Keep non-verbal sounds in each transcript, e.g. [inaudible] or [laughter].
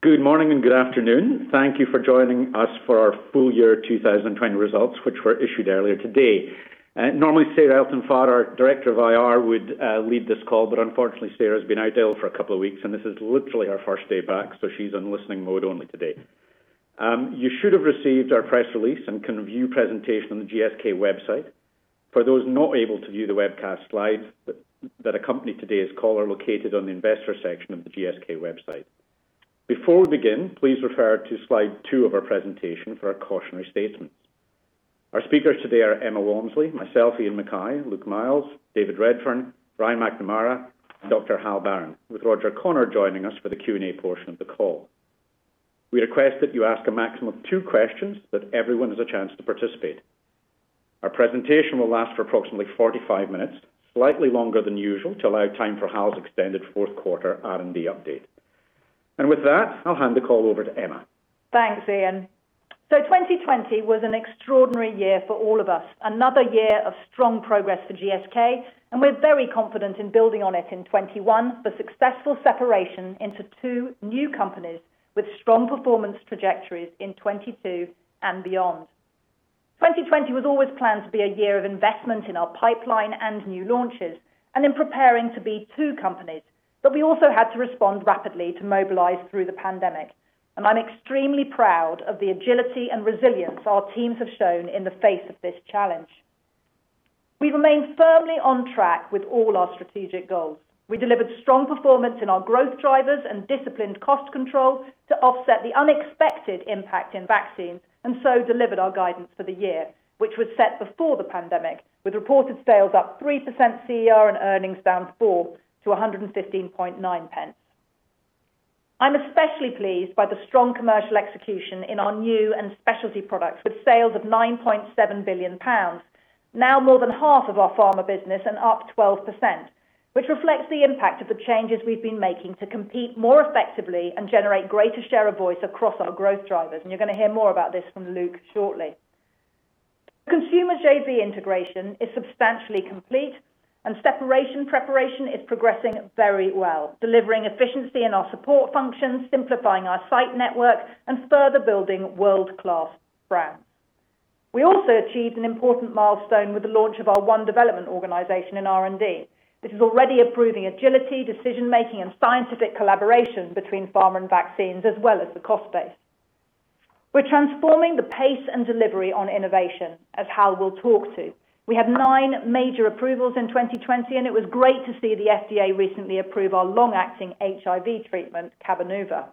Good morning and good afternoon. Thank you for joining us for our full year 2020 results, which were issued earlier today. Normally, Sarah Elton-Farr, our Director of IR, would lead this call, but unfortunately, Sarah's been out ill for a couple of weeks, and this is literally her first day back, so she's in listening mode only today. You should have received our press release and can view presentation on the GSK website. For those not able to view the webcast live, that accompany today's call are located on the investor section of the GSK website. Before we begin, please refer to slide two of our presentation for our cautionary statements. Our speakers today are Emma Walmsley, myself, Iain Mackay, Luke Miels, David Redfern, Brian McNamara, and Dr. Hal Barron, with Roger Connor joining us for the Q&A portion of the call. We request that you ask a maximum of two questions so that everyone has a chance to participate. Our presentation will last for approximately 45 minutes, slightly longer than usual to allow time for Hal's extended fourth quarter R&D update. With that, I'll hand the call over to Emma. Thanks, Iain. 2020 was an extraordinary year for all of us, another year of strong progress for GSK, and we're very confident in building on it in 2021 for successful separation into two new companies with strong performance trajectories in 2022 and beyond. 2020 was always planned to be a year of investment in our pipeline and new launches, and in preparing to be two companies. We also had to respond rapidly to mobilize through the pandemic, and I'm extremely proud of the agility and resilience our teams have shown in the face of this challenge. We remain firmly on track with all our strategic goals. We delivered strong performance in our growth drivers and disciplined cost control to offset the unexpected impact in vaccines, so delivered our guidance for the year, which was set before the pandemic, with reported sales up 3% CER and earnings down 4% to 1.159. I'm especially pleased by the strong commercial execution in our new and specialty products with sales of 9.7 billion pounds, now more than half of our Pharma business and up 12%, which reflects the impact of the changes we've been making to compete more effectively and generate greater share of voice across our growth drivers. You're going to hear more about this from Luke shortly. Consumer JV integration is substantially complete and separation preparation is progressing very well, delivering efficiency in our support functions, simplifying our site network, and further building world-class brands. We also achieved an important milestone with the launch of our One Development organization in R&D. This is already improving agility, decision-making, and scientific collaboration between Pharma and Vaccines as well as the cost base. We're transforming the pace and delivery on innovation, as Hal will talk to. We had nine major approvals in 2020, and it was great to see the FDA recently approve our long-acting HIV treatment, Cabenuva.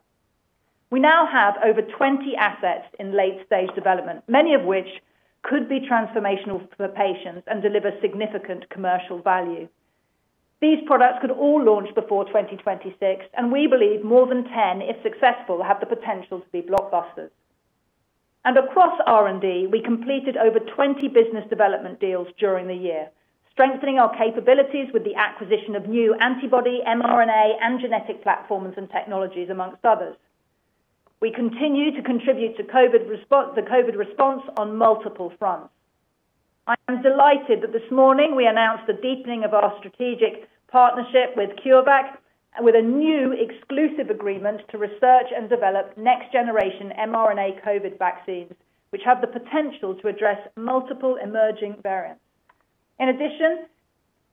We now have over 20 assets in late-stage development, many of which could be transformational for patients and deliver significant commercial value. These products could all launch before 2026, and we believe more than 10, if successful, have the potential to be blockbusters. Across R&D, we completed over 20 business development deals during the year, strengthening our capabilities with the acquisition of new antibody, mRNA, and genetic platforms and technologies amongst others. We continue to contribute to the COVID response on multiple fronts. I am delighted that this morning we announced the deepening of our strategic partnership with CureVac with a new exclusive agreement to research and develop next generation mRNA COVID vaccines, which have the potential to address multiple emerging variants. In addition,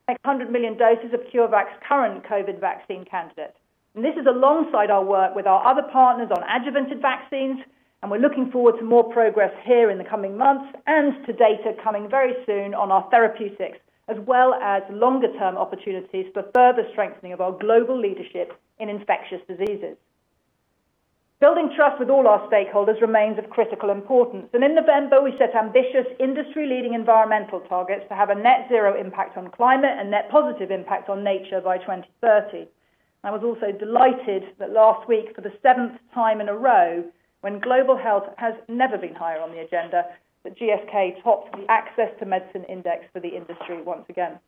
100 million doses of CureVac's current COVID vaccine candidate. This is alongside our work with our other partners on adjuvanted vaccines, and we're looking forward to more progress here in the coming months and to data coming very soon on our therapeutics, as well as longer term opportunities for further strengthening of our global leadership in infectious diseases. Building trust with all our stakeholders remains of critical importance, and in November we set ambitious industry leading environmental targets to have a net zero impact on climate and net positive impact on nature by 2030. I was also delighted that last week, for the seventh time in a row, when global health has never been higher on the agenda, that GSK topped the Access to Medicine Index for the industry once again.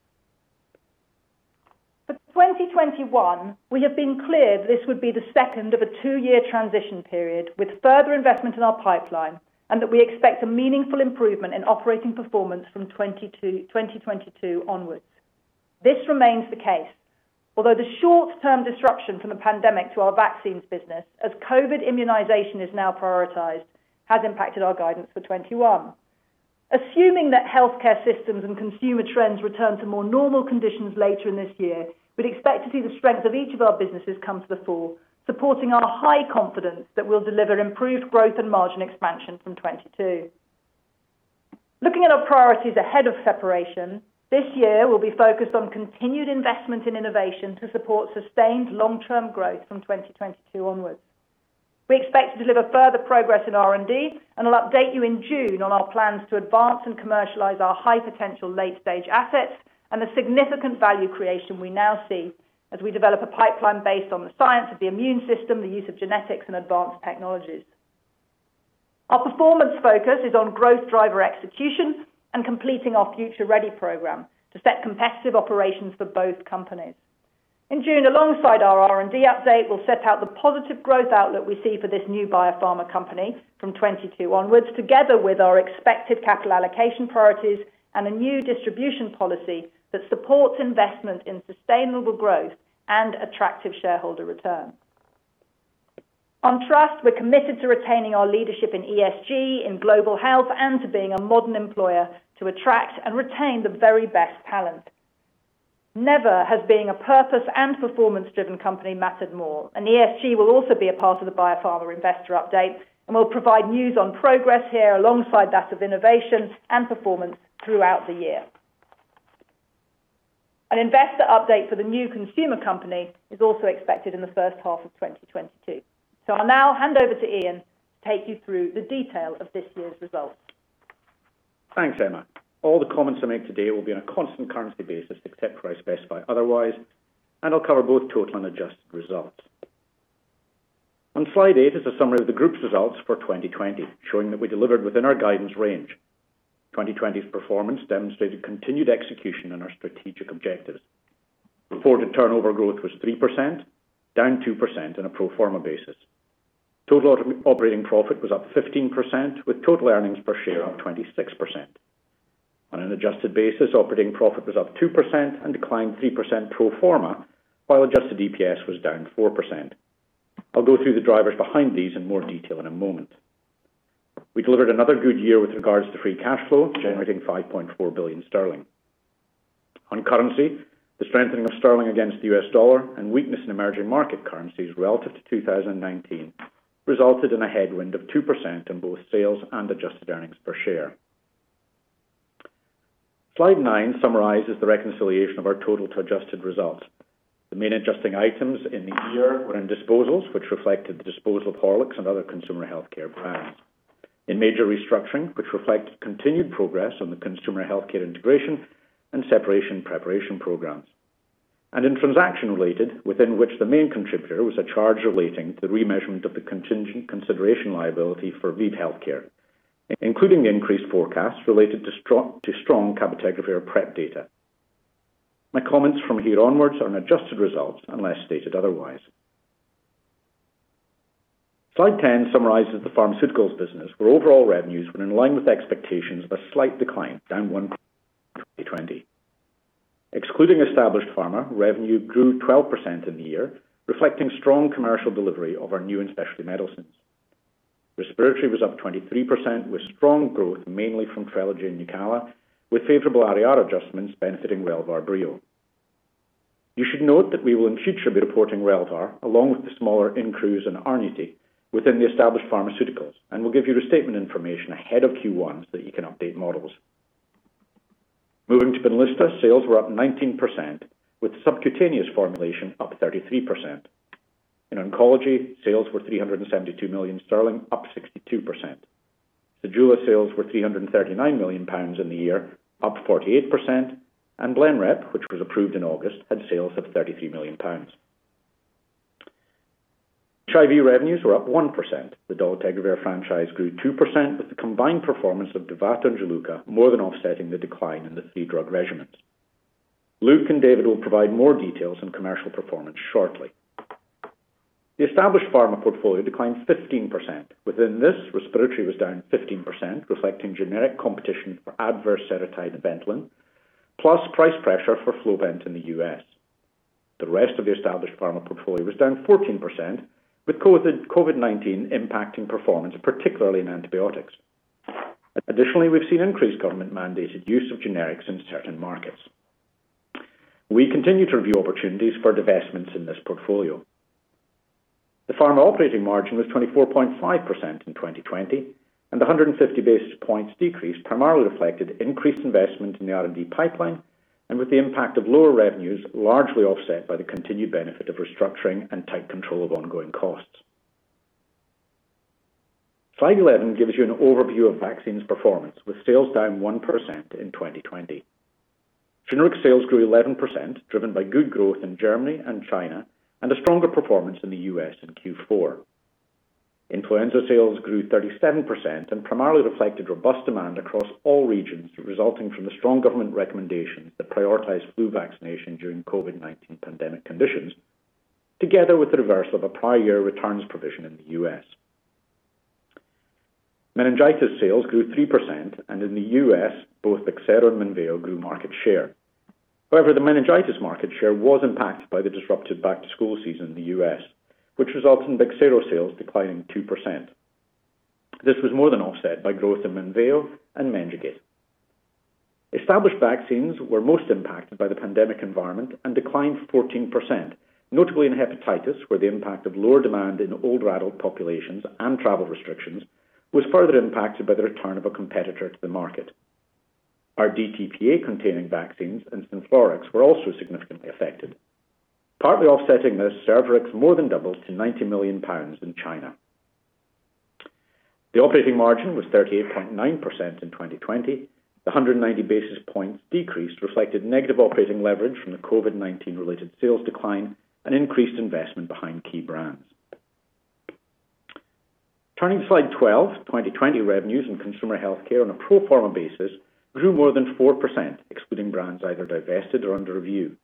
For 2021, we have been clear this would be the second of a two-year transition period with further investment in our pipeline, and that we expect a meaningful improvement in operating performance from 2022 onwards. This remains the case, although the short-term disruption from the pandemic to our Vaccines business, as COVID-19 immunization is now prioritized, has impacted our guidance for 2021. Assuming that healthcare systems and consumer trends return to more normal conditions later in this year, we'd expect to see the strength of each of our businesses come to the fore, supporting our high confidence that we'll deliver improved growth and margin expansion from 2022. Looking at our priorities ahead of separation, this year will be focused on continued investment in innovation to support sustained long-term growth from 2022 onwards. We expect to deliver further progress in R&D, and I'll update you in June on our plans to advance and commercialize our high potential late-stage assets and the significant value creation we now see as we develop a pipeline based on the science of the immune system, the use of genetics, and advanced technologies. Our performance focus is on growth driver execution and completing our Future Ready program to set competitive operations for both companies. In June, alongside our R&D update, we'll set out the positive growth outlook we see for this new biopharma company from 2022 onwards, together with our expected capital allocation priorities and a new distribution policy that supports investment in sustainable growth and attractive shareholder return. On trust, we're committed to retaining our leadership in ESG, in global health, and to being a modern employer to attract and retain the very best talent. Never has being a purpose and performance-driven company mattered more. ESG will also be a part of the biopharma investor update. We'll provide news on progress here alongside that of innovation and performance throughout the year. An investor update for the new consumer company is also expected in the first half of 2022. I'll now hand over to Iain to take you through the detail of this year's results. Thanks, Emma. All the comments I make today will be on a constant currency basis, except where I specify otherwise, and I'll cover both total and adjusted results. On slide eight is a summary of the group's results for 2020, showing that we delivered within our guidance range. 2020's performance demonstrated continued execution on our strategic objectives. Reported turnover growth was 3%, down 2% on a pro forma basis. Total operating profit was up 15%, with total earnings per share up 26%. On an adjusted basis, operating profit was up 2% and declined 3% pro forma, while adjusted EPS was down 4%. I'll go through the drivers behind these in more detail in a moment. We delivered another good year with regards to free cash flow, generating 5.4 billion sterling. On currency, the strengthening of sterling against the U.S. dollar and weakness in emerging market currencies relative to 2019 resulted in a headwind of 2% on both sales and adjusted earnings per share. Slide nine summarizes the reconciliation of our total to adjusted results. The main adjusting items in the year were in disposals, which reflected the disposal of Horlicks and other Consumer Healthcare brands. In major restructuring, which reflected continued progress on the Consumer Healthcare integration and separation preparation programs. In transaction-related, within which the main contributor was a charge relating to the remeasurement of the contingent consideration liability for ViiV Healthcare, including the increased forecast related to strong cabotegravir PrEP data. My comments from here onwards are on adjusted results unless stated otherwise. Slide 10 summarizes the Pharmaceuticals business, where overall revenues were in line with expectations of a slight decline, down 1% in 2020. Excluding established Pharma, revenue grew 12% in the year, reflecting strong commercial delivery of our new and specialty medicines. Respiratory was up 23%, with strong growth mainly from TRELEGY and NUCALA, with favorable RAR adjustments benefiting Relvar/Breo. You should note that we will in future be reporting Relvar, along with the smaller INCRUSE and ARNUITY, within the established Pharmaceuticals. We'll give you restatement information ahead of Q1 so that you can update models. Moving to BENLYSTA, sales were up 19%, with subcutaneous formulation up 33%. In oncology, sales were 372 million sterling, up 62%. Zejula sales were 339 million pounds in the year, up 48%. Blenrep, which was approved in August, had sales of 33 million pounds. HIV revenues were up 1%. The dolutegravir franchise grew 2%, with the combined performance of Dovato and Juluca more than offsetting the decline in the three-drug regimens. Luke and David will provide more details on commercial performance shortly. The established Pharma portfolio declined 15%. Within this, respiratory was down 15%, reflecting generic competition for Advair/Seretide, Ventolin, plus price pressure for Flovent in the U.S. The rest of the established Pharma portfolio was down 14%, with COVID-19 impacting performance, particularly in antibiotics. Additionally, we've seen increased government-mandated use of generics in certain markets. We continue to review opportunities for divestments in this portfolio. The Pharma operating margin was 24.5% in 2020, and the 150 basis points decrease primarily reflected increased investment in the R&D pipeline and with the impact of lower revenues largely offset by the continued benefit of restructuring and tight control of ongoing costs. Slide 11 gives you an overview of vaccines performance, with sales down 1% in 2020. SHINGRIX sales grew 11%, driven by good growth in Germany and China, and a stronger performance in the U.S. in Q4. Influenza sales grew 37% and primarily reflected robust demand across all regions, resulting from the strong government recommendations that prioritized flu vaccination during COVID-19 pandemic conditions, together with the reverse of a prior year returns provision in the U.S. meningitis sales grew 3%, and in the U.S., both Bexsero and Menveo grew market share. However, the meningitis market share was impacted by the disrupted back-to-school season in the U.S., which results in Bexsero sales declining 2%. This was more than offset by growth in Menveo and Mencevax. Established vaccines were most impacted by the pandemic environment and declined 14%, notably in hepatitis, where the impact of lower demand in older adult populations and travel restrictions was further impacted by the return of a competitor to the market. Our DTPa-containing vaccines and Synflorix were also significantly affected. Partly offsetting this, Cervarix more than doubles to 90 million pounds in China. The operating margin was 38.9% in 2020. The 190 basis points decreased, reflected negative operating leverage from the COVID-19 related sales decline and increased investment behind key brands. Turning to slide 12, 2020 revenues in Consumer Healthcare on a pro forma basis grew more than 4%, excluding brands either divested or under review.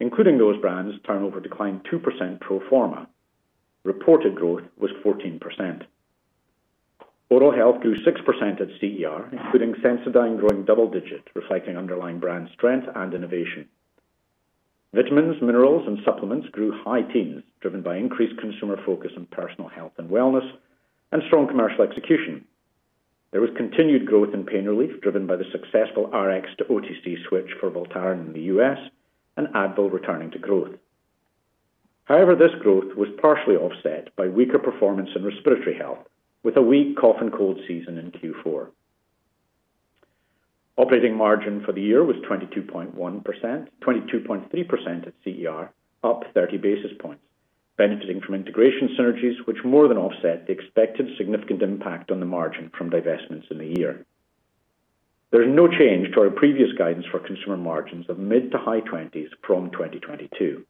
Including those brands, turnover declined 2% pro forma. Reported growth was 14%. Oral health grew 6% at CER, including Sensodyne growing double digits, reflecting underlying brand strength and innovation. Vitamins, minerals, and supplements grew high teens, driven by increased consumer focus on personal health and wellness and strong commercial execution. There was continued growth in pain relief, driven by the successful Rx-to-OTC switch for Voltaren in the U.S. and Advil returning to growth. This growth was partially offset by weaker performance in respiratory health, with a weak cough and cold season in Q4. Operating margin for the year was 22.1%, 22.3% at CER, up 30 basis points, benefiting from integration synergies which more than offset the expected significant impact on the margin from divestments in the year. There is no change to our previous guidance for consumer margins of mid to high 20s from 2022.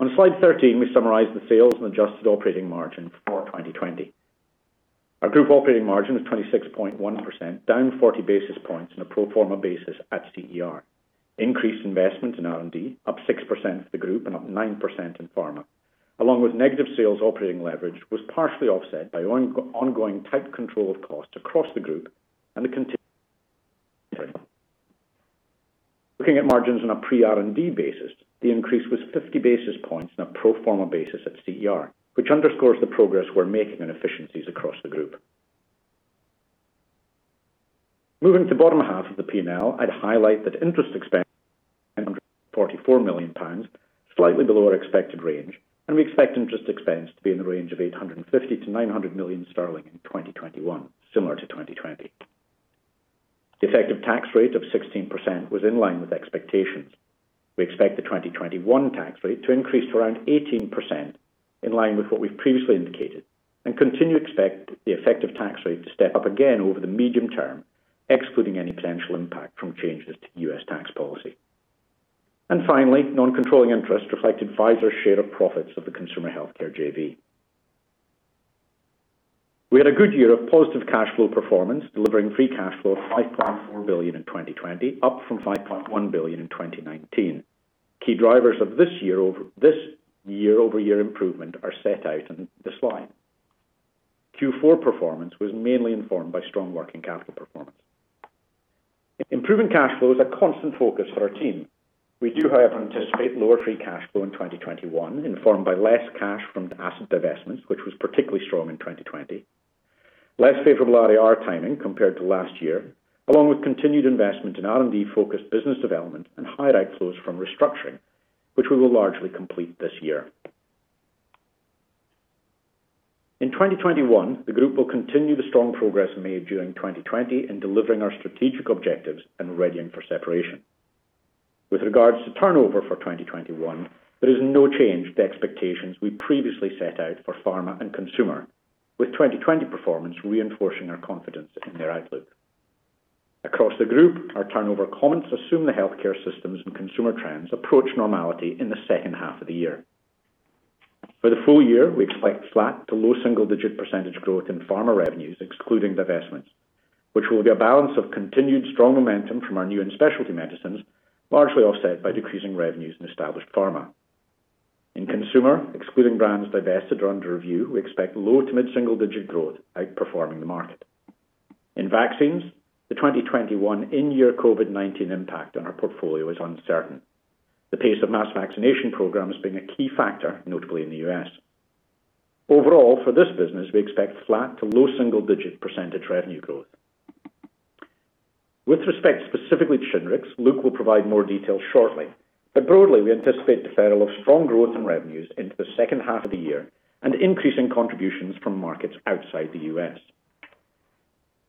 On slide 13, we summarize the sales and adjusted operating margin for 2020. Our group operating margin was 26.1%, down 40 basis points on a pro forma basis at CER. Increased investment in R&D, up 6% for the group and up 9% in pharma, along with negative sales operating leverage was partially offset by ongoing tight control of costs across the group. Looking at margins on a pre-R&D basis, the increase was 50 basis points on a pro forma basis at CER, which underscores the progress we're making in efficiencies across the group. Moving to bottom half of the P&L, I'd highlight that interest expense, GBP 944 million, slightly below our expected range, and we expect interest expense to be in the range of 850 million-900 million sterling in 2021, similar to 2020. The effective tax rate of 16% was in line with expectations. We expect the 2021 tax rate to increase to around 18%, in line with what we've previously indicated, and continue to expect the effective tax rate to step up again over the medium term, excluding any potential impact from changes to U.S. tax policy. Finally, non-controlling interest reflected Pfizer's share of profits of the Consumer Healthcare JV. We had a good year of positive cash flow performance, delivering free cash flow of 5.4 billion in 2020, up from 5.1 billion in 2019. Key drivers of this year-over-year improvement are set out on the slide. Q4 performance was mainly informed by strong working capital performance. Improving cash flow is a constant focus for our team. We do, however, anticipate lower free cash flow in 2021, informed by less cash from the asset divestments, which was particularly strong in 2020. Less favorable RAR timing compared to last year, along with continued investment in R&D-focused business development and higher outflows from restructuring, which we will largely complete this year. In 2021, the group will continue the strong progress made during 2020 in delivering our strategic objectives and readying for separation. With regards to turnover for 2021, there is no change to expectations we previously set out for Pharma and Consumer, with 2020 performance reinforcing our confidence in their outlook. Across the group, our turnover comments assume the healthcare systems and Consumer trends approach normality in the second half of the year. For the full year, we expect flat to low single-digit percentage growth in Pharma revenues excluding divestments, which will be a balance of continued strong momentum from our new and specialty medicines, largely offset by decreasing revenues in established Pharma. In Consumer, excluding brands divested or under review, we expect low to mid-single digit growth outperforming the market. In Vaccines, the 2021 in-year COVID-19 impact on our portfolio is uncertain. The pace of mass vaccination programs being a key factor, notably in the U.S. Overall, for this business, we expect flat to low single-digit percentage revenue growth. With respect specifically to SHINGRIX, Luke will provide more details shortly. Broadly, we anticipate deferral of strong growth in revenues into the second half of the year and increasing contributions from markets outside the U.S.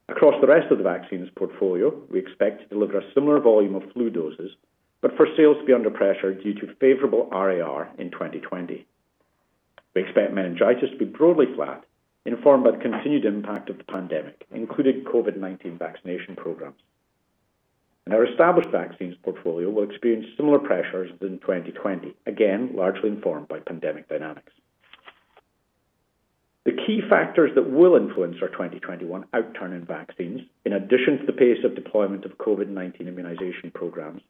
across the rest of the Vaccines portfolio, we expect to deliver a similar volume of flu doses, but for sales to be under pressure due to favorable RAR in 2020. We expect meningitis to be broadly flat, informed by the continued impact of the pandemic, including COVID-19 vaccination programs. Our established Vaccines portfolio will experience similar pressures in 2020, again, largely informed by pandemic dynamics. The key factors that will influence our 2021 outturn in vaccines, in addition to the pace of deployment of COVID-19 immunization programs,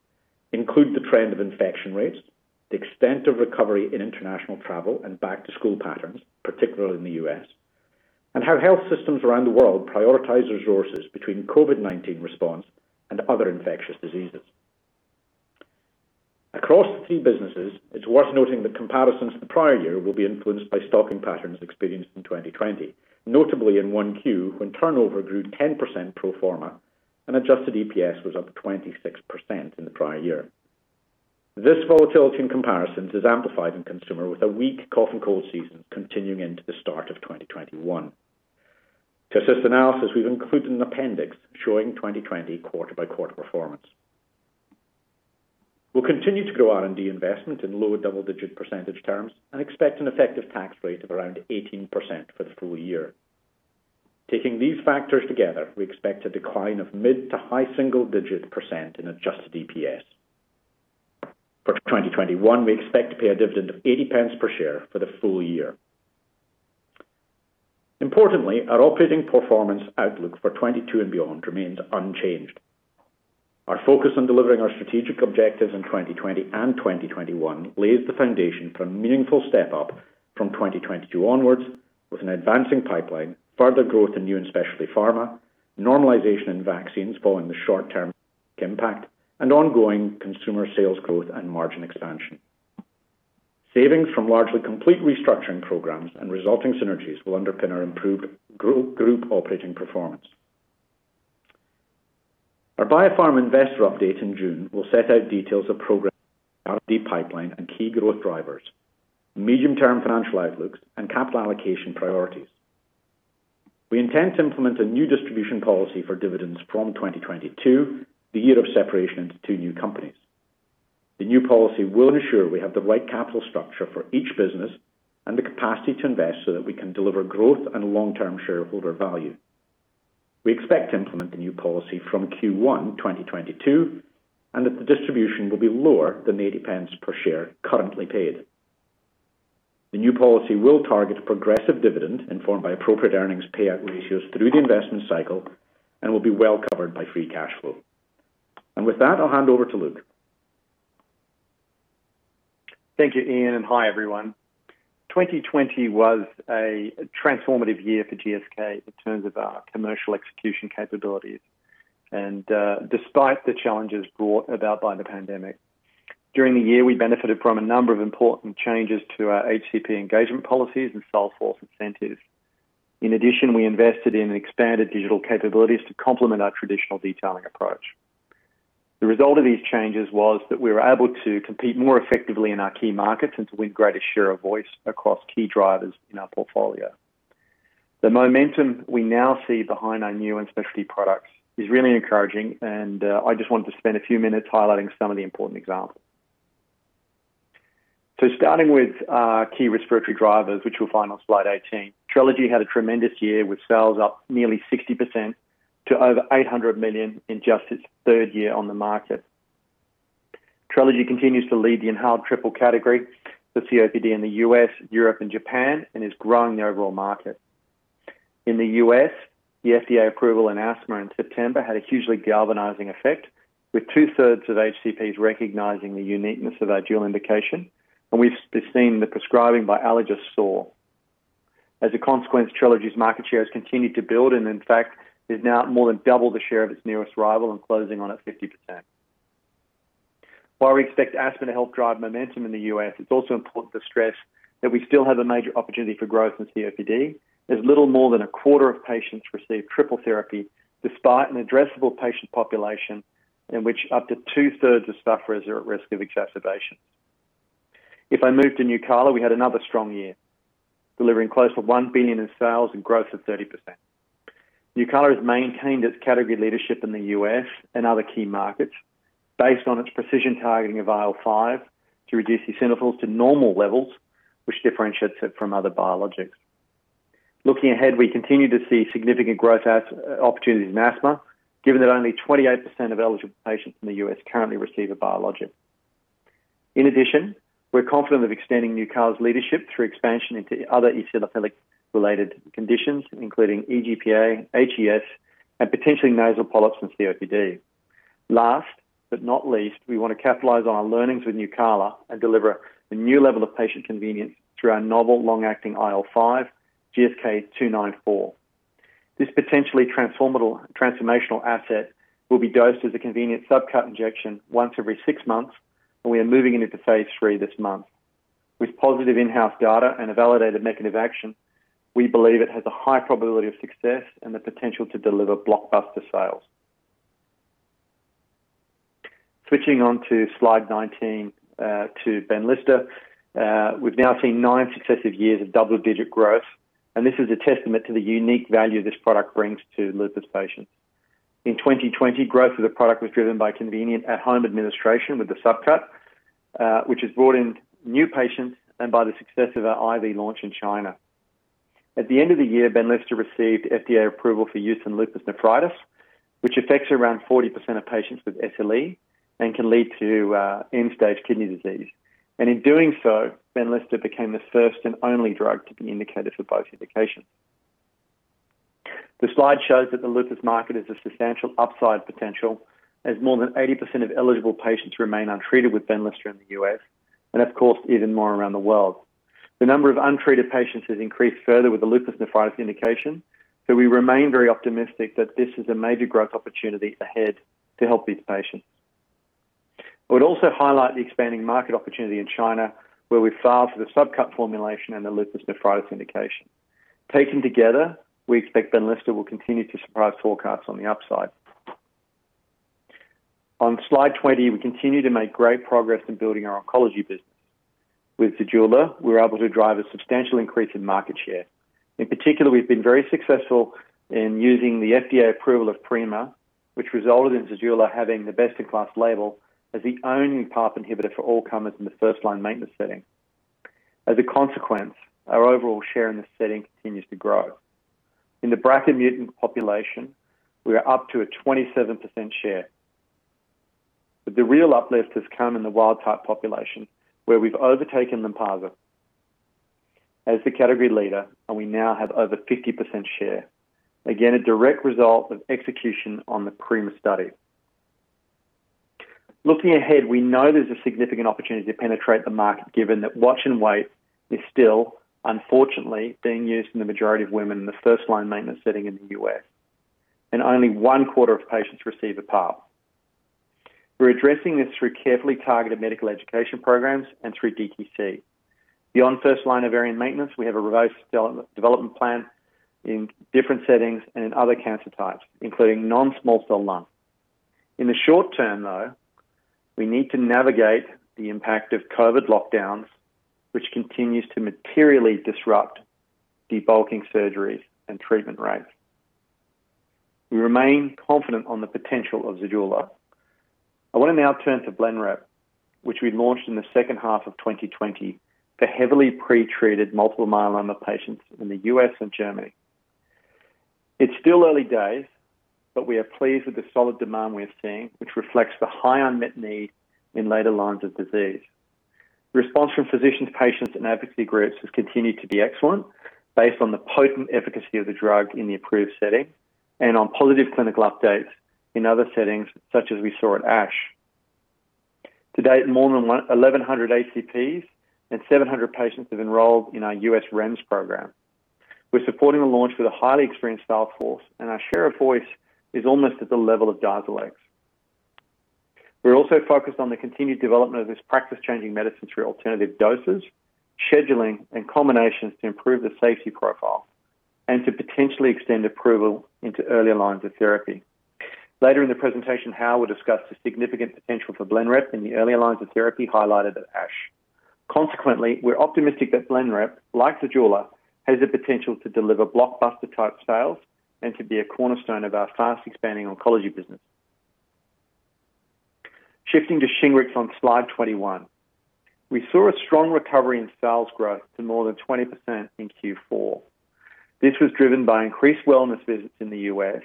include the trend of infection rates, the extent of recovery in international travel and back-to-school patterns, particularly in the U.S., and how health systems around the world prioritize resources between COVID-19 response and other infectious diseases. Across the three businesses, it's worth noting that comparisons to the prior year will be influenced by stocking patterns experienced in 2020. Notably in 1Q, when turnover grew 10% pro forma and adjusted EPS was up 26% in the prior year. This volatility in comparisons is amplified in consumer with a weak cough and cold season continuing into the start of 2021. To assist analysis, we've included an appendix showing 2020 quarter-by-quarter performance. We'll continue to grow R&D investment in low double-digit percentage terms and expect an effective tax rate of around 18% for the full year. Taking these factors together, we expect a decline of mid to high single-digit percent in adjusted EPS. For 2021, we expect to pay a dividend of 0.80 per share for the full year. Importantly, our operating performance outlook for 2022 and beyond remains unchanged. Our focus on delivering our strategic objectives in 2020 and 2021 lays the foundation for a meaningful step-up from 2022 onwards with an advancing pipeline, further growth in new and specialty pharma, normalization in vaccines following the short-term impact, and ongoing consumer sales growth and margin expansion. Savings from largely complete restructuring programs and resulting synergies will underpin our improved group operating performance. Our BioPharm investor update in June will set out details of progress in the R&D pipeline and key growth drivers, medium-term financial outlooks, and capital allocation priorities. We intend to implement a new distribution policy for dividends from 2022, the year of separation into two new companies. The new policy will ensure we have the right capital structure for each business and the capacity to invest so that we can deliver growth and long-term shareholder value. We expect to implement the new policy from Q1 2022, that the distribution will be lower than 0.80 per share currently paid. The new policy will target a progressive dividend informed by appropriate earnings payout ratios through the investment cycle and will be well covered by free cash flow. With that, I'll hand over to Luke. Thank you, Iain, and hi, everyone. 2020 was a transformative year for GSK in terms of our commercial execution capabilities. Despite the challenges brought about by the pandemic, during the year, we benefited from a number of important changes to our HCP engagement policies and sales force incentives. In addition, we invested in expanded digital capabilities to complement our traditional detailing approach. The result of these changes was that we were able to compete more effectively in our key markets and to win greater share of voice across key drivers in our portfolio. The momentum we now see behind our new and specialty products is really encouraging, and I just wanted to spend a few minutes highlighting some of the important examples. Starting with our key respiratory drivers, which you'll find on slide 18. TRELEGY had a tremendous year with sales up nearly 60% to over 800 million in just its third year on the market. TRELEGY continues to lead the inhaled triple category for COPD in the U.S., Europe, and Japan, and is growing the overall market. In the U.S., the FDA approval in asthma in September had a hugely galvanizing effect, with two-thirds of HCPs recognizing the uniqueness of our dual indication, and we've seen the prescribing by allergists soar. As a consequence, TRELEGY's market share has continued to build, and in fact, is now more than double the share of its nearest rival and closing on at 50%. While we expect asthma to help drive momentum in the U.S., it's also important to stress that we still have a major opportunity for growth in COPD, as little more than a quarter of patients receive triple therapy, despite an addressable patient population in which up to two-thirds of sufferers are at risk of exacerbation. If I move to NUCALA, we had another strong year, delivering close to 1 billion in sales and growth of 30%. NUCALA has maintained its category leadership in the U.S. and other key markets based on its precision targeting of IL-5 to reduce eosinophils to normal levels, which differentiates it from other biologics. Looking ahead, we continue to see significant growth opportunities in asthma, given that only 28% of eligible patients in the U.S. currently receive a biologic. We're confident of extending NUCALA's leadership through expansion into other eosinophilic-related conditions, including EGPA, HES, and potentially nasal polyps and COPD. Last but not least, we want to capitalize on our learnings with NUCALA and deliver a new level of patient convenience through our novel long-acting IL-5, GSK'294. This potentially transformational asset will be dosed as a convenient subcut injection once every six months. We are moving into phase III this month. With positive in-house data and a validated mechanism of action, we believe it has a high probability of success and the potential to deliver blockbuster sales. Switching on to slide 19, to BENLYSTA. We've now seen nine successive years of double-digit growth. This is a testament to the unique value this product brings to lupus patients. In 2020, growth of the product was driven by convenient at-home administration with the subcut, which has brought in new patients, and by the success of our IV launch in China. At the end of the year, BENLYSTA received FDA approval for use in lupus nephritis, which affects around 40% of patients with SLE and can lead to end-stage kidney disease. In doing so, BENLYSTA became the first and only drug to be indicated for both indications. The slide shows that the lupus market has a substantial upside potential, as more than 80% of eligible patients remain untreated with BENLYSTA in the U.S., and of course, even more around the world. The number of untreated patients has increased further with the lupus nephritis indication, we remain very optimistic that this is a major growth opportunity ahead to help these patients. I would also highlight the expanding market opportunity in China, where we filed for the subcut formulation and the lupus nephritis indication. Taken together, we expect BENLYSTA will continue to surprise forecasts on the upside. On slide 20, we continue to make great progress in building our oncology business. With Zejula, we were able to drive a substantial increase in market share. In particular, we've been very successful in using the FDA approval of PRIMA, which resulted in Zejula having the best-in-class label as the only PARP inhibitor for all comers in the first-line maintenance setting. Our overall share in this setting continues to grow. In the BRCA mutant population, we are up to a 27% share. The real uplift has come in the wild type population, where we've overtaken Lynparza as the category leader, and we now have over 50% share. Again, a direct result of execution on the PRIMA study. Looking ahead, we know there's a significant opportunity to penetrate the market, given that watch and wait is still, unfortunately, being used in the majority of women in the first-line maintenance setting in the U.S., and only one-quarter of patients receive a PARP. We're addressing this through carefully targeted medical education programs and through DTC. Beyond first line ovarian maintenance, we have a revised development plan in different settings and in other cancer types, including non-small cell lung. In the short term, though, we need to navigate the impact of COVID lockdowns, which continues to materially disrupt debulking surgeries and treatment rates. We remain confident on the potential of Zejula. I want to now turn to Blenrep, which we launched in the second half of 2020 for heavily pre-treated multiple myeloma patients in the U.S. and Germany. It's still early days. We are pleased with the solid demand we are seeing, which reflects the high unmet need in later lines of disease. Response from physicians, patients, and advocacy groups has continued to be excellent based on the potent efficacy of the drug in the approved setting and on positive clinical updates in other settings, such as we saw at ASH. To date, more than 1,100 HCPs and 700 patients have enrolled in our U.S. REMS program. We're supporting the launch with a highly experienced salesforce. Our share of voice is almost at the level of DARZALEX. We're also focused on the continued development of this practice-changing medicine through alternative doses, scheduling, and combinations to improve the safety profile and to potentially extend approval into earlier lines of therapy. Later in the presentation, Hal will discuss the significant potential for Blenrep in the earlier lines of therapy highlighted at ASH. Consequently, we're optimistic that Blenrep, like Zejula, has the potential to deliver blockbuster-type sales and to be a cornerstone of our fast-expanding oncology business. Shifting to SHINGRIX on slide 21. We saw a strong recovery in sales growth to more than 20% in Q4. This was driven by increased wellness visits in the U.S.,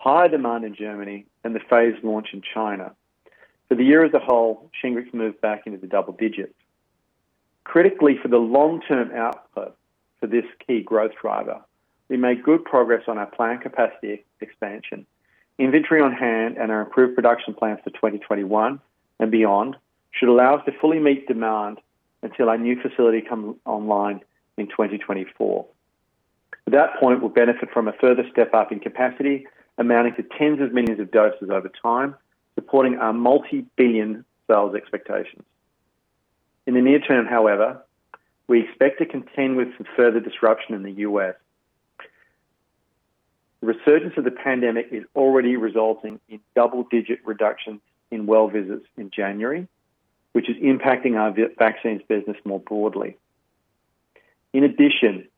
high demand in Germany, and the phased launch in China. For the year as a whole, SHINGRIX moved back into the double digits. Critically, for the long-term output for this key growth driver, we made good progress on our planned capacity expansion. Inventory on hand and our improved production plans for 2021 and beyond should allow us to fully meet demand until our new facility comes online in 2024. At that point, we'll benefit from a further step-up in capacity amounting to tens of millions of doses over time, supporting our multi-billion sales expectations. In the near term, however, we expect to contend with some further disruption in the U.S. The resurgence of the pandemic is already resulting in double-digit reductions in well visits in January, which is impacting our Vaccines business more broadly. In addition,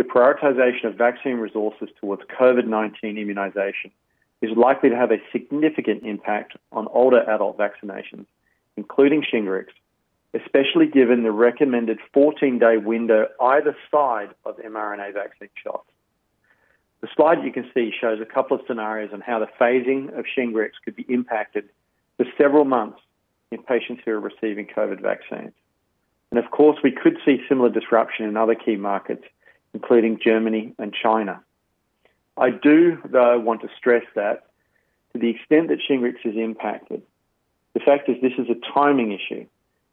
the prioritization of vaccine resources towards COVID-19 immunization is likely to have a significant impact on older adult vaccinations, including SHINGRIX, especially given the recommended 14-day window either side of mRNA vaccine shots. The slide you can see shows a couple of scenarios on how the phasing of SHINGRIX could be impacted for several months in patients who are receiving COVID vaccines. Of course, we could see similar disruption in other key markets, including Germany and China. I do, though, want to stress that to the extent that SHINGRIX is impacted, the fact is this is a timing issue,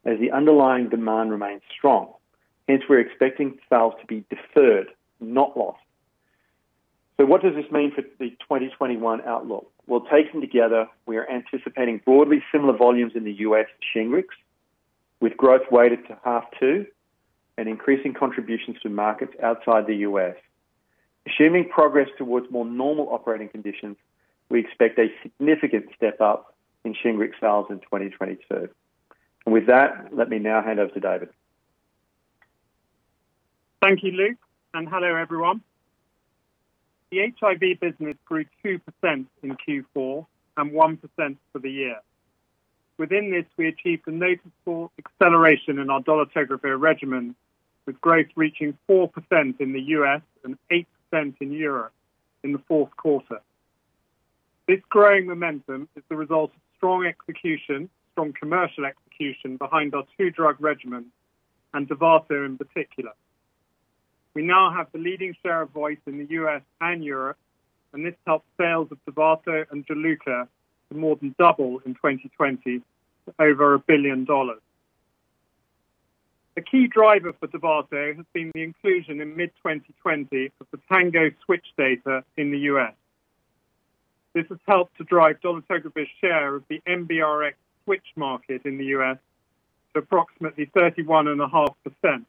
as the underlying demand remains strong. We're expecting sales to be deferred, not lost. What does this mean for the 2021 outlook? Well, taken together, we are anticipating broadly similar volumes in the U.S. for SHINGRIX, with growth weighted to half two and increasing contributions to markets outside the U.S. Assuming progress towards more normal operating conditions, we expect a significant step-up in SHINGRIX sales in 2022. With that, let me now hand over to David. Thank you, Luke. Hello, everyone. The HIV business grew 2% in Q4 and 1% for the year. Within this, we achieved a notable acceleration in our dolutegravir regimen, with growth reaching 4% in the U.S. and 8% in Europe in the fourth quarter. This growing momentum is the result of strong execution, strong commercial execution behind our two-drug regimen, and Dovato in particular. We now have the leading share of voice in the U.S. and Europe, and this helped sales of Dovato and Juluca to more than double in 2020 to over GBP 1 billion. A key driver for Dovato has been the inclusion in mid-2020 of the TANGO switch data in the U.S. This has helped to drive dolutegravir's share of the NBRx switch market in the U.S. to approximately 31.5%,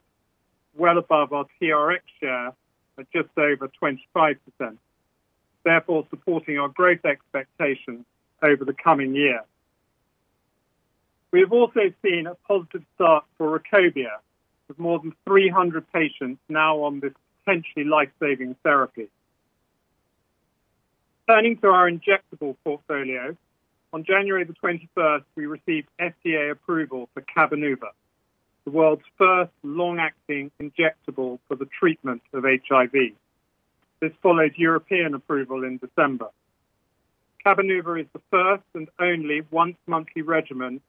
well above our TRx share at just over 25%, therefore supporting our growth expectations over the coming year. We have also seen a positive start for RUKOBIA, with more than 300 patients now on this potentially life-saving therapy. Turning to our injectable portfolio. On January 21st, we received FDA approval for Cabenuva, the world's first long-acting injectable for the treatment of HIV. This followed European approval in december. Cabenuva is the first and only once-monthly regimen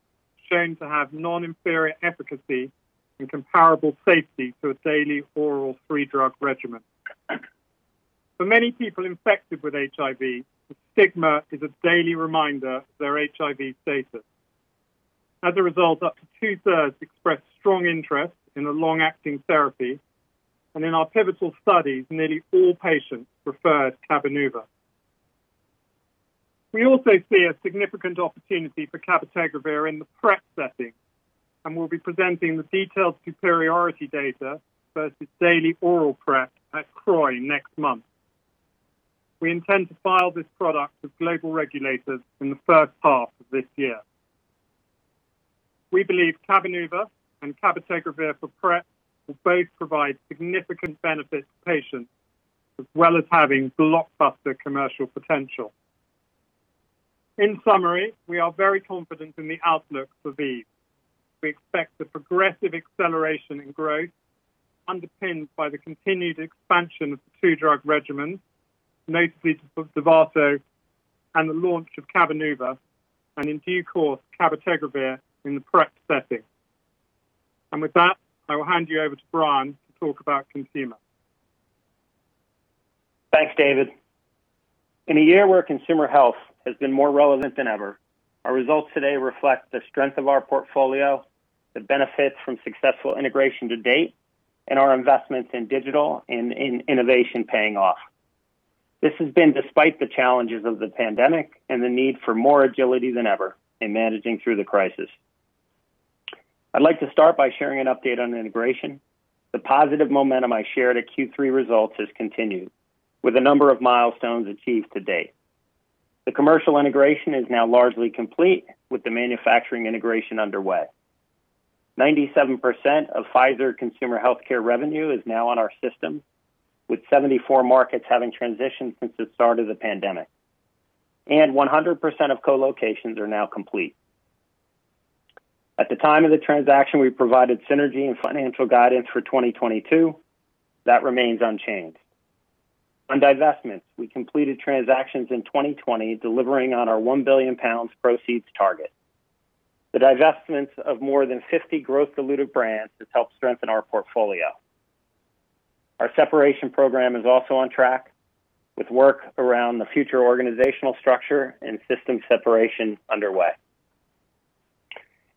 shown to have non-inferior efficacy and comparable safety to a daily oral three-drug regimen. For many people infected with HIV, the stigma is a daily reminder of their HIV status. As a result, up to two-thirds express strong interest in a long-acting therapy, and in our pivotal studies, nearly all patients preferred Cabenuva. We also see a significant opportunity for cabotegravir in the PrEP setting, and we'll be presenting the detailed superiority data versus daily oral PrEP at CROI next month. We intend to file this product with global regulators in the first half of this year. We believe Cabenuva and cabotegravir for PrEP will both provide significant benefit to patients, as well as having blockbuster commercial potential. In summary, we are very confident in the outlook for ViiV. We expect a progressive acceleration in growth underpinned by the continued expansion of the two-drug regimens, notably Dovato, and the launch of Cabenuva, and in due course, cabotegravir in the PrEP setting. With that, I will hand you over to Brian to talk about Consumer. Thanks, David. In a year where consumer health has been more relevant than ever, our results today reflect the strength of our portfolio that benefits from successful integration to date and our investments in digital and in innovation paying off. This has been despite the challenges of the pandemic and the need for more agility than ever in managing through the crisis. I'd like to start by sharing an update on integration. The positive momentum I shared at Q3 results has continued, with a number of milestones achieved to date. The commercial integration is now largely complete, with the manufacturing integration underway. 97% of Pfizer Consumer Healthcare revenue is now on our system, with 74 markets having transitioned since the start of the pandemic, and 100% of co-locations are now complete. At the time of the transaction, we provided synergy and financial guidance for 2022. That remains unchanged. On divestments, we completed transactions in 2020, delivering on our 1 billion pounds proceeds target. The divestments of more than 50 growth dilutive brands has helped strengthen our portfolio. Our separation program is also on track, with work around the future organizational structure and system separation underway.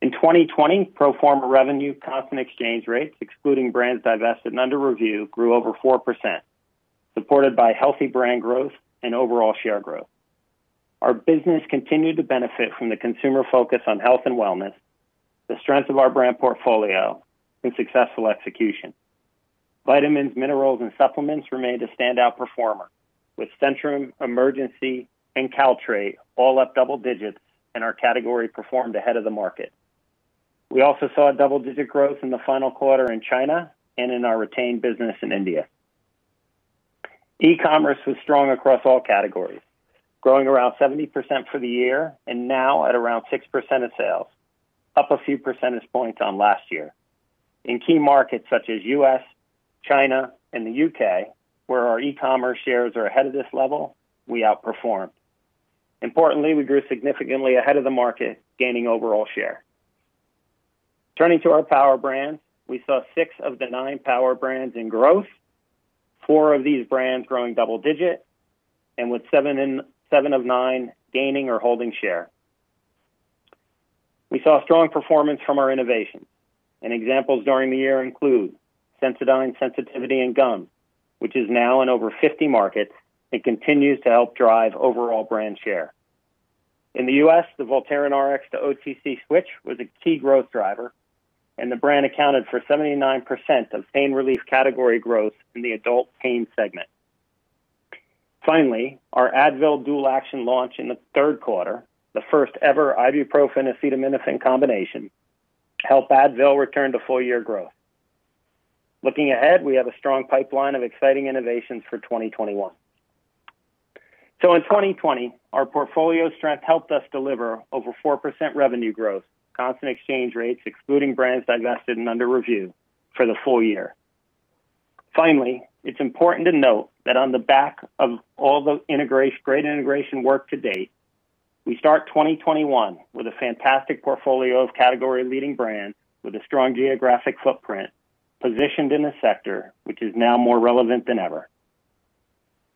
In 2020, pro forma revenue, constant exchange rates, excluding brands divested and under review, grew over 4%, supported by healthy brand growth and overall share growth. Our business continued to benefit from the consumer focus on health and wellness, the strength of our brand portfolio, and successful execution. Vitamins, minerals, and supplements remained a standout performer, with Centrum, Emergen-C, and Caltrate all up double digits, and our category performed ahead of the market. We also saw a double-digit growth in the final quarter in China and in our retained business in India. E-commerce was strong across all categories, growing around 70% for the year and now at around 6% of sales, up a few percentage points on last year. In key markets such as U.S., China, and the U.K., where our e-commerce shares are ahead of this level, we outperformed. Importantly, we grew significantly ahead of the market, gaining overall share. Turning to our Power Brands, we saw six of the nine Power Brands in growth, four of these brands growing double-digit, and with seven of nine gaining or holding share. Examples during the year include Sensodyne Sensitivity & Gum, which is now in over 50 markets and continues to help drive overall brand share. In the U.S., the Voltaren Rx-to-OTC switch was a key growth driver, and the brand accounted for 79% of pain relief category growth in the adult pain segment. Finally, our Advil Dual Action launch in the third quarter, the first-ever ibuprofen acetaminophen combination, helped Advil return to full-year growth. Looking ahead, we have a strong pipeline of exciting innovations for 2021. In 2020, our portfolio strength helped us deliver over 4% revenue growth, constant exchange rates, excluding brands divested and under review, for the full year. It's important to note that on the back of all the great integration work to date, we start 2021 with a fantastic portfolio of category-leading brands with a strong geographic footprint positioned in a sector which is now more relevant than ever.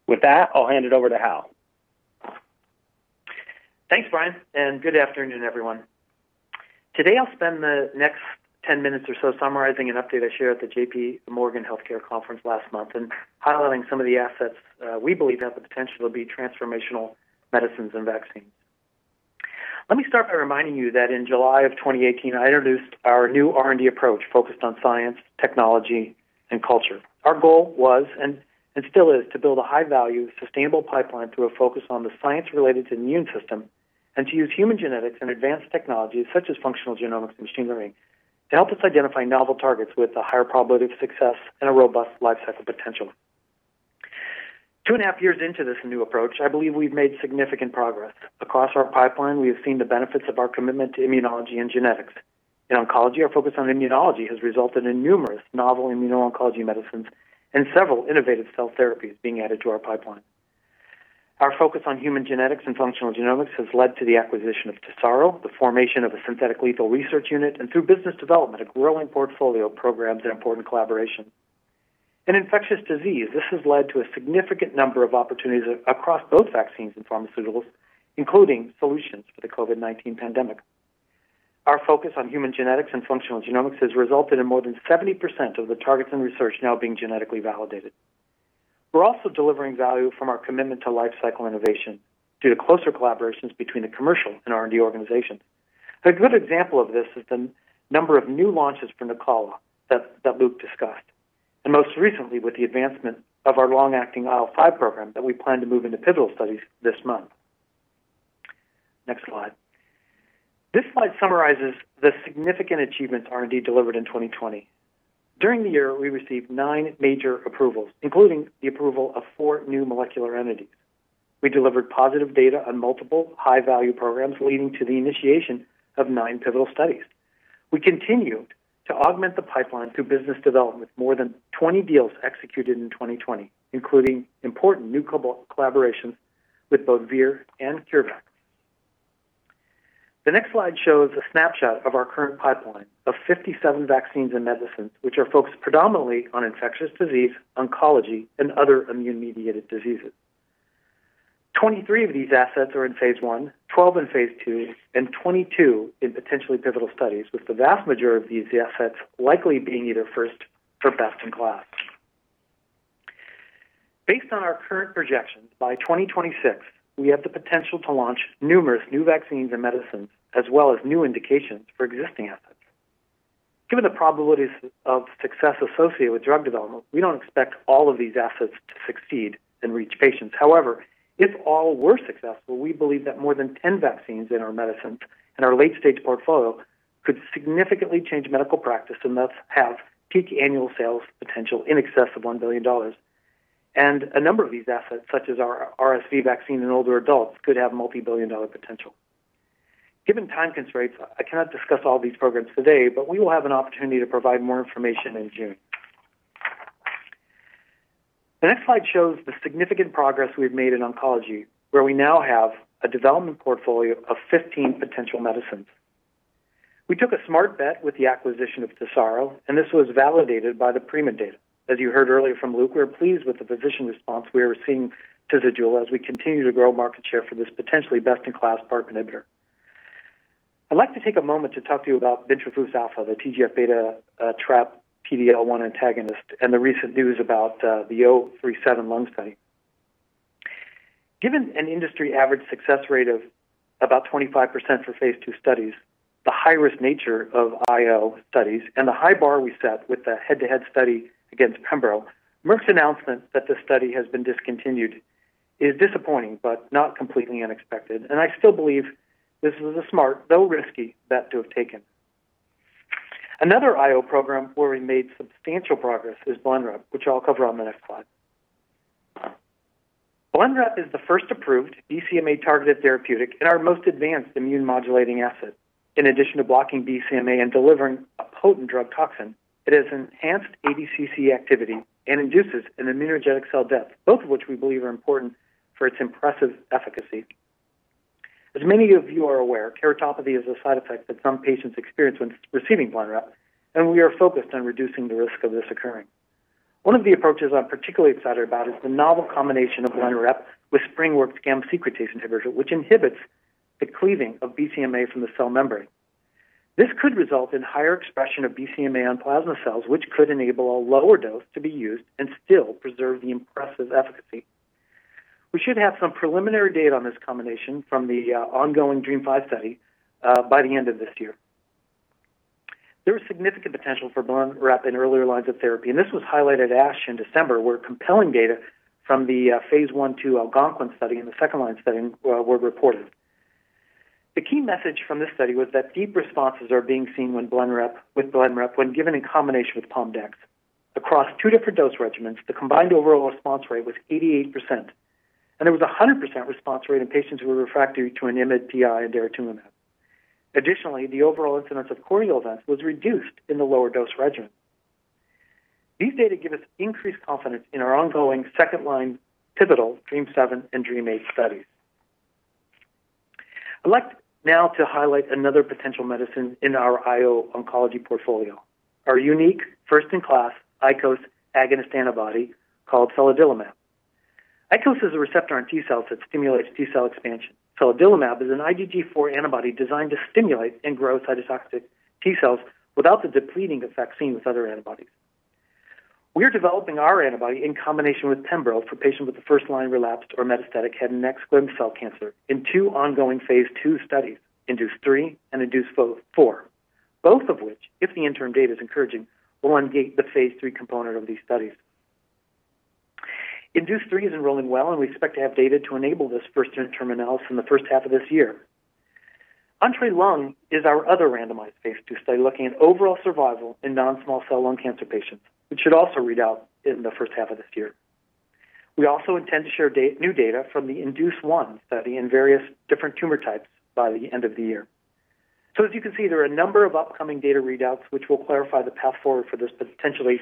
With that, I'll hand it over to Hal. Thanks, Brian. Good afternoon, everyone. Today, I'll spend the next 10 minutes or so summarizing an update I shared at the JPMorgan Healthcare Conference last month and highlighting some of the assets that we believe have the potential to be transformational medicines and vaccines. Let me start by reminding you that in July of 2018, I introduced our new R&D approach focused on science, technology, and culture. Our goal was, and still is, to build a high-value, sustainable pipeline through a focus on the science related to the immune system, and to use human genetics and advanced technologies such as functional genomics and machine learning to help us identify novel targets with a higher probability of success and a robust life cycle potential. Two and a half years into this new approach, I believe we've made significant progress. Across our pipeline, we have seen the benefits of our commitment to immunology and genetics. In oncology, our focus on immunology has resulted in numerous novel immuno-oncology medicines and several innovative cell therapies being added to our pipeline. Our focus on human genetics and functional genomics has led to the acquisition of TESARO, the formation of a synthetic lethal research unit, and through business development, a growing portfolio of programs and important collaborations. In infectious disease, this has led to a significant number of opportunities across both Vaccines and Pharmaceuticals, including solutions for the COVID-19 pandemic. Our focus on human genetics and functional genomics has resulted in more than 70% of the targets and research now being genetically validated. We are also delivering value from our commitment to life cycle innovation due to closer collaborations between the commercial and R&D organizations. A good example of this is the number of new launches from NUCALA that Luke discussed. Most recently with the advancement of our long-acting IL-5 program that we plan to move into pivotal studies this month. Next slide. This slide summarizes the significant achievements R&D delivered in 2020. During the year, we received nine major approvals, including the approval of four new molecular entities. We delivered positive data on multiple high-value programs, leading to the initiation of nine pivotal studies. We continued to augment the pipeline through business development, with more than 20 deals executed in 2020, including important new collaborations with both Vir and CureVac. The next slide shows a snapshot of our current pipeline of 57 vaccines and medicines, which are focused predominantly on infectious disease, oncology, and other immune-mediated diseases. 23 of these assets are in phase I, 12 in phase II, and 22 in potentially pivotal studies, with the vast majority of these assets likely being either first or best in class. Based on our current projections, by 2026, we have the potential to launch numerous new vaccines and medicines, as well as new indications for existing assets. Given the probabilities of success associated with drug development, we don't expect all of these assets to succeed and reach patients. However, if all were successful, we believe that more than 10 vaccines and our medicines in our late-stage portfolio could significantly change medical practice and thus have peak annual sales potential in excess of $1 billion. A number of these assets, such as our RSV vaccine in older adults, could have multi-billion-dollar potential. Given time constraints, I cannot discuss all these programs today, but we will have an opportunity to provide more information in June. The next slide shows the significant progress we've made in oncology, where we now have a development portfolio of 15 potential medicines. We took a smart bet with the acquisition of TESARO, and this was validated by the PRIMA data. As you heard earlier from Luke, we are pleased with the physician response we are seeing to Zejula as we continue to grow market share for this potentially best-in-class PARP inhibitor. I'd like to take a moment to talk to you about bintrafusp alfa, the TGF-beta trap/PD-L1 antagonist, and the recent news about the 037 lung study. Given an industry average success rate of about 25% for phase II studies, the high-risk nature of IO studies, and the high bar we set with the head-to-head study against pembro, Merck's announcement that the study has been discontinued is disappointing but not completely unexpected. I still believe this is a smart, though risky, bet to have taken. Another IO program where we made substantial progress is Blenrep, which I'll cover on the next slide. Blenrep is the first approved BCMA-targeted therapeutic and our most advanced immune-modulating asset. In addition to blocking BCMA and delivering a potent drug toxin, it has enhanced ADCC activity and induces an immunogenic cell death, both of which we believe are important for its impressive efficacy. As many of you are aware, keratopathy is a side effect that some patients experience when receiving Blenrep, and we are focused on reducing the risk of this occurring. One of the approaches I'm particularly excited about is the novel combination of Blenrep with SpringWorks' gamma secretase inhibitor, which inhibits the cleaving of BCMA from the cell membrane. This could result in higher expression of BCMA on plasma cells, which could enable a lower dose to be used and still preserve the impressive efficacy. We should have some preliminary data on this combination from the ongoing DREAMM-5 Study by the end of this year. There is significant potential for Blenrep in earlier lines of therapy, and this was highlighted at ASH in December, where compelling data from the phase I/II Algonquin study and the second line study were reported. The key message from this study was that deep responses are being seen with Blenrep when given in combination with PomDex. Across two different dose regimens, the combined overall response rate was 88%, and there was 100% response rate in patients who were refractory to an IMiD, PI, and daratumumab. Additionally, the overall incidence of corneal events was reduced in the lower dose regimen. These data give us increased confidence in our ongoing second-line pivotal DREAMM-7 and DREAMM-8 studies. I'd like now to highlight another potential medicine in our IO oncology portfolio, our unique first-in-class ICOS agonist antibody called feladilimab. ICOS is a receptor on T-cells that stimulates T-cell expansion. Feladilimab is an IgG4 antibody designed to stimulate and grow cytotoxic T-cells without the depleting effects seen with other antibodies. We're developing our antibody in combination with pembro for patients with the first-line relapsed or metastatic head and neck squamous cell cancer in two ongoing phase II studies, INDUCE-3 and INDUCE-4, both of which, if the interim data is encouraging, will ungate the phase III component of these studies. INDUCE-3 is enrolling well, we expect to have data to enable this first interim analysis in the first half of this year. ENTREE Lung is our other randomized phase II study looking at overall survival in non-small cell lung cancer patients, which should also read out in the first half of this year. We also intend to share new data from the INDUCE-1 study in various different tumor types by the end of the year. As you can see, there are a number of upcoming data readouts which will clarify the path forward for this potentially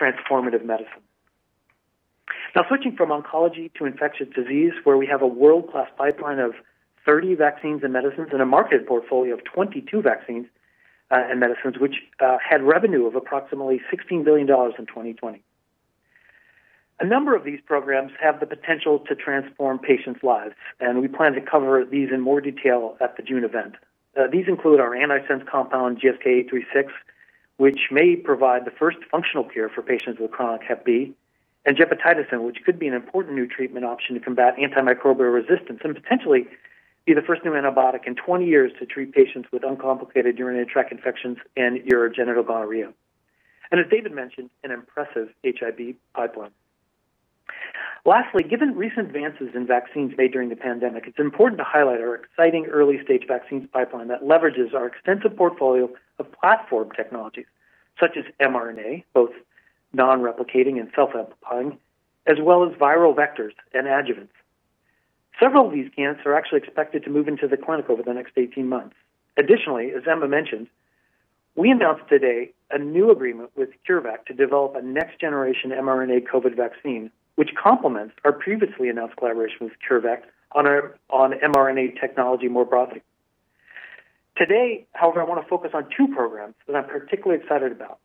transformative medicine. Switching from oncology to infectious disease, where we have a world-class pipeline of 30 vaccines and medicines and a market portfolio of 22 vaccines and medicines, which had revenue of approximately GBP 16 billion in 2020. A number of these programs have the potential to transform patients' lives. We plan to cover these in more detail at the June event. These include our antisense compound, GSK36, which may provide the first functional cure for patients with chronic hep B, and gepotidacin, which could be an important new treatment option to combat antimicrobial resistance, and potentially be the first new antibiotic in 20 years to treat patients with uncomplicated urinary tract infections and urogenital gonorrhea. As David mentioned, an impressive HIV pipeline. Given recent advances in vaccines made during the pandemic, it's important to highlight our exciting early-stage vaccines pipeline that leverages our extensive portfolio of platform technologies such as mRNA, both non-replicating and self-amplifying, as well as viral vectors and adjuvants. Several of these gains are actually expected to move into the clinic over the next 18 months. As Emma mentioned, we announced today a new agreement with CureVac to develop a next-generation mRNA COVID vaccine, which complements our previously announced collaboration with CureVac on mRNA technology more broadly. Today, however, I want to focus on two programs that I'm particularly excited about: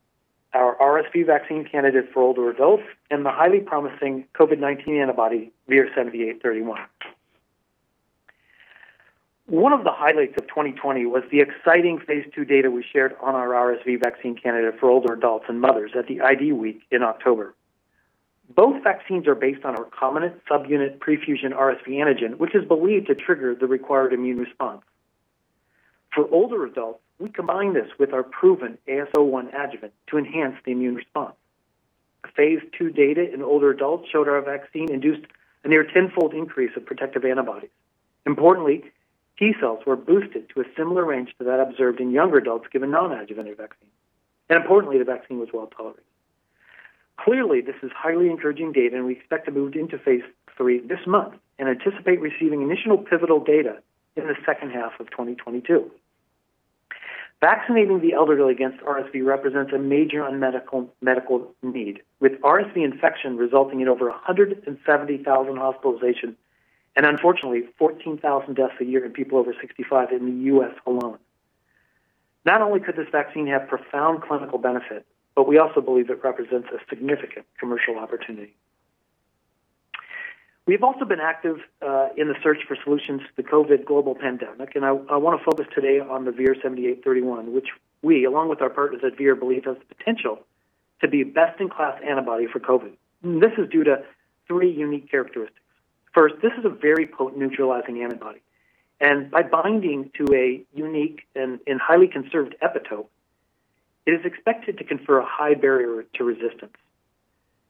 our RSV vaccine candidate for older adults and the highly promising COVID-19 antibody, VIR-7831. One of the highlights of 2020 was the exciting phase II data we shared on our RSV vaccine candidate for older adults and mothers at the IDWeek in October. Both vaccines are based on a recombinant subunit pre-fusion RSV antigen, which is believed to trigger the required immune response. For older adults, we combine this with our proven AS01 adjuvant to enhance the immune response. Phase II data in older adults showed our vaccine induced a near tenfold increase of protective antibodies. Importantly, T cells were boosted to a similar range to that observed in younger adults given non-adjuvanted vaccine. Importantly, the vaccine was well-tolerated. Clearly, this is highly encouraging data, and we expect to move into phase III this month and anticipate receiving initial pivotal data in the second half of 2022. Vaccinating the elderly against RSV represents a major medical need, with RSV infection resulting in over 170,000 hospitalizations and unfortunately 14,000 deaths a year in people over 65 in the U.S. alone. Not only could this vaccine have profound clinical benefit, but we also believe it represents a significant commercial opportunity. We've also been active in the search for solutions to the COVID global pandemic, and I want to focus today on the VIR-7831, which we, along with our partners at VIR, believe has the potential to be best-in-class antibody for COVID. This is due to three unique characteristics. First, this is a very potent neutralizing antibody. By binding to a unique and highly conserved epitope, it is expected to confer a high barrier to resistance.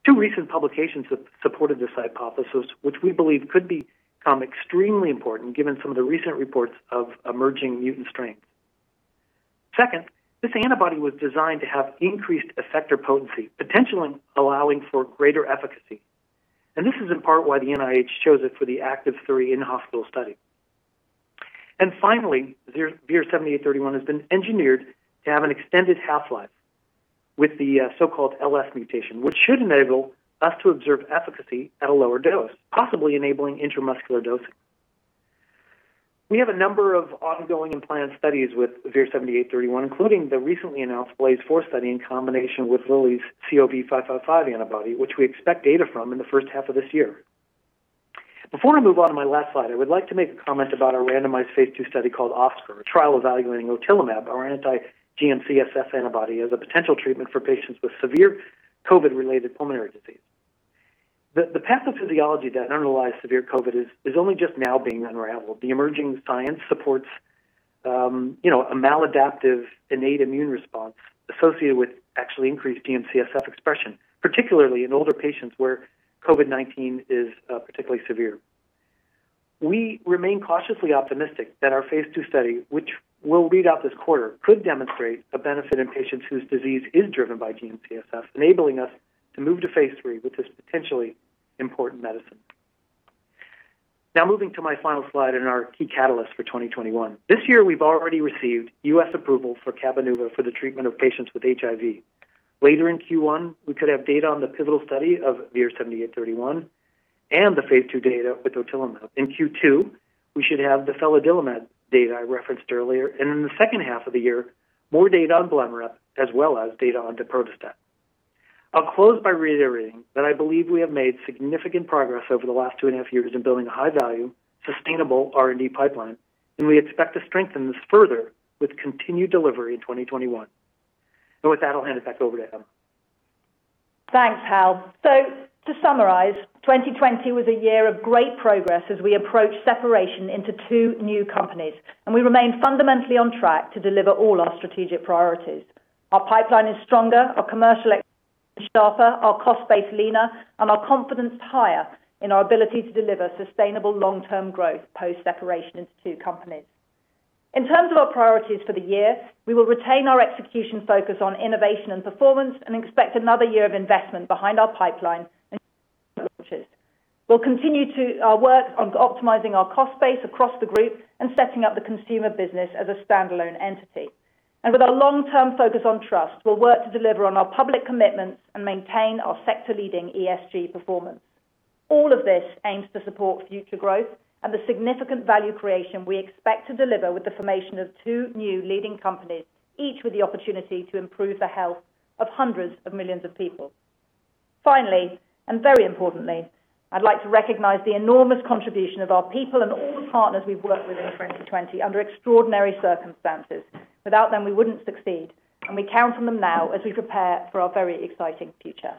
Two recent publications have supported this hypothesis, which we believe could become extremely important given some of the recent reports of emerging mutant strains. Second, this antibody was designed to have increased effector potency, potentially allowing for greater efficacy. This is in part why the NIH chose it for the ACTIV-3 in-hospital study. Finally, VIR-7831 has been engineered to have an extended half-life with the so-called LS mutation, which should enable us to observe efficacy at a lower dose, possibly enabling intramuscular dosing. We have a number of ongoing and planned studies with VIR-7831, including the recently announced BLAZE-4 study in combination with Lilly's CoV555 antibody, which we expect data from in the first half of this year. Before I move on to my last slide, I would like to make a comment about our randomized phase II study called OSCAR, a trial evaluating otilimab, our anti-GM-CSF antibody, as a potential treatment for patients with severe COVID-related pulmonary disease. The pathophysiology that underlies severe COVID is only just now being unraveled. The emerging science supports a maladaptive innate immune response associated with actually increased GM-CSF expression, particularly in older patients where COVID-19 is particularly severe. We remain cautiously optimistic that our phase II study, which we'll read out this quarter, could demonstrate a benefit in patients whose disease is driven by GM-CSF, enabling us to move to phase III with this potentially important medicine. Moving to my final slide and our key catalyst for 2021. This year, we've already received U.S. approval for Cabenuva for the treatment of patients with HIV. Later in Q1, we could have data on the pivotal study of VIR-7831 and the phase II data with otilimab. In Q2, we should have the feladilimab data I referenced earlier, and in the second half of the year, more data on Blenrep as well as data on daprodustat. I'll close by reiterating that I believe we have made significant progress over the last two and a half years in building a high-value, sustainable R&D pipeline, and we expect to strengthen this further with continued delivery in 2021. With that, I'll hand it back over to Emma. Thanks, Hal. To summarize, 2020 was a year of great progress as we approach separation into two new companies, and we remain fundamentally on track to deliver all our strategic priorities. Our pipeline is stronger, our commercial exposure is sharper, our cost base leaner, and our confidence higher in our ability to deliver sustainable long-term growth post-separation into two companies. In terms of our priorities for the year, we will retain our execution focus on innovation and performance and expect another year of investment behind our pipeline and launches. We'll continue to work on optimizing our cost base across the group and setting up the consumer business as a standalone entity. With our long-term focus on trust, we'll work to deliver on our public commitments and maintain our sector-leading ESG performance. All of this aims to support future growth and the significant value creation we expect to deliver with the formation of two new leading companies, each with the opportunity to improve the health of hundreds of millions of people. Finally, very importantly, I'd like to recognize the enormous contribution of our people and all the partners we've worked with in 2020 under extraordinary circumstances. Without them, we wouldn't succeed. We count on them now as we prepare for our very exciting future.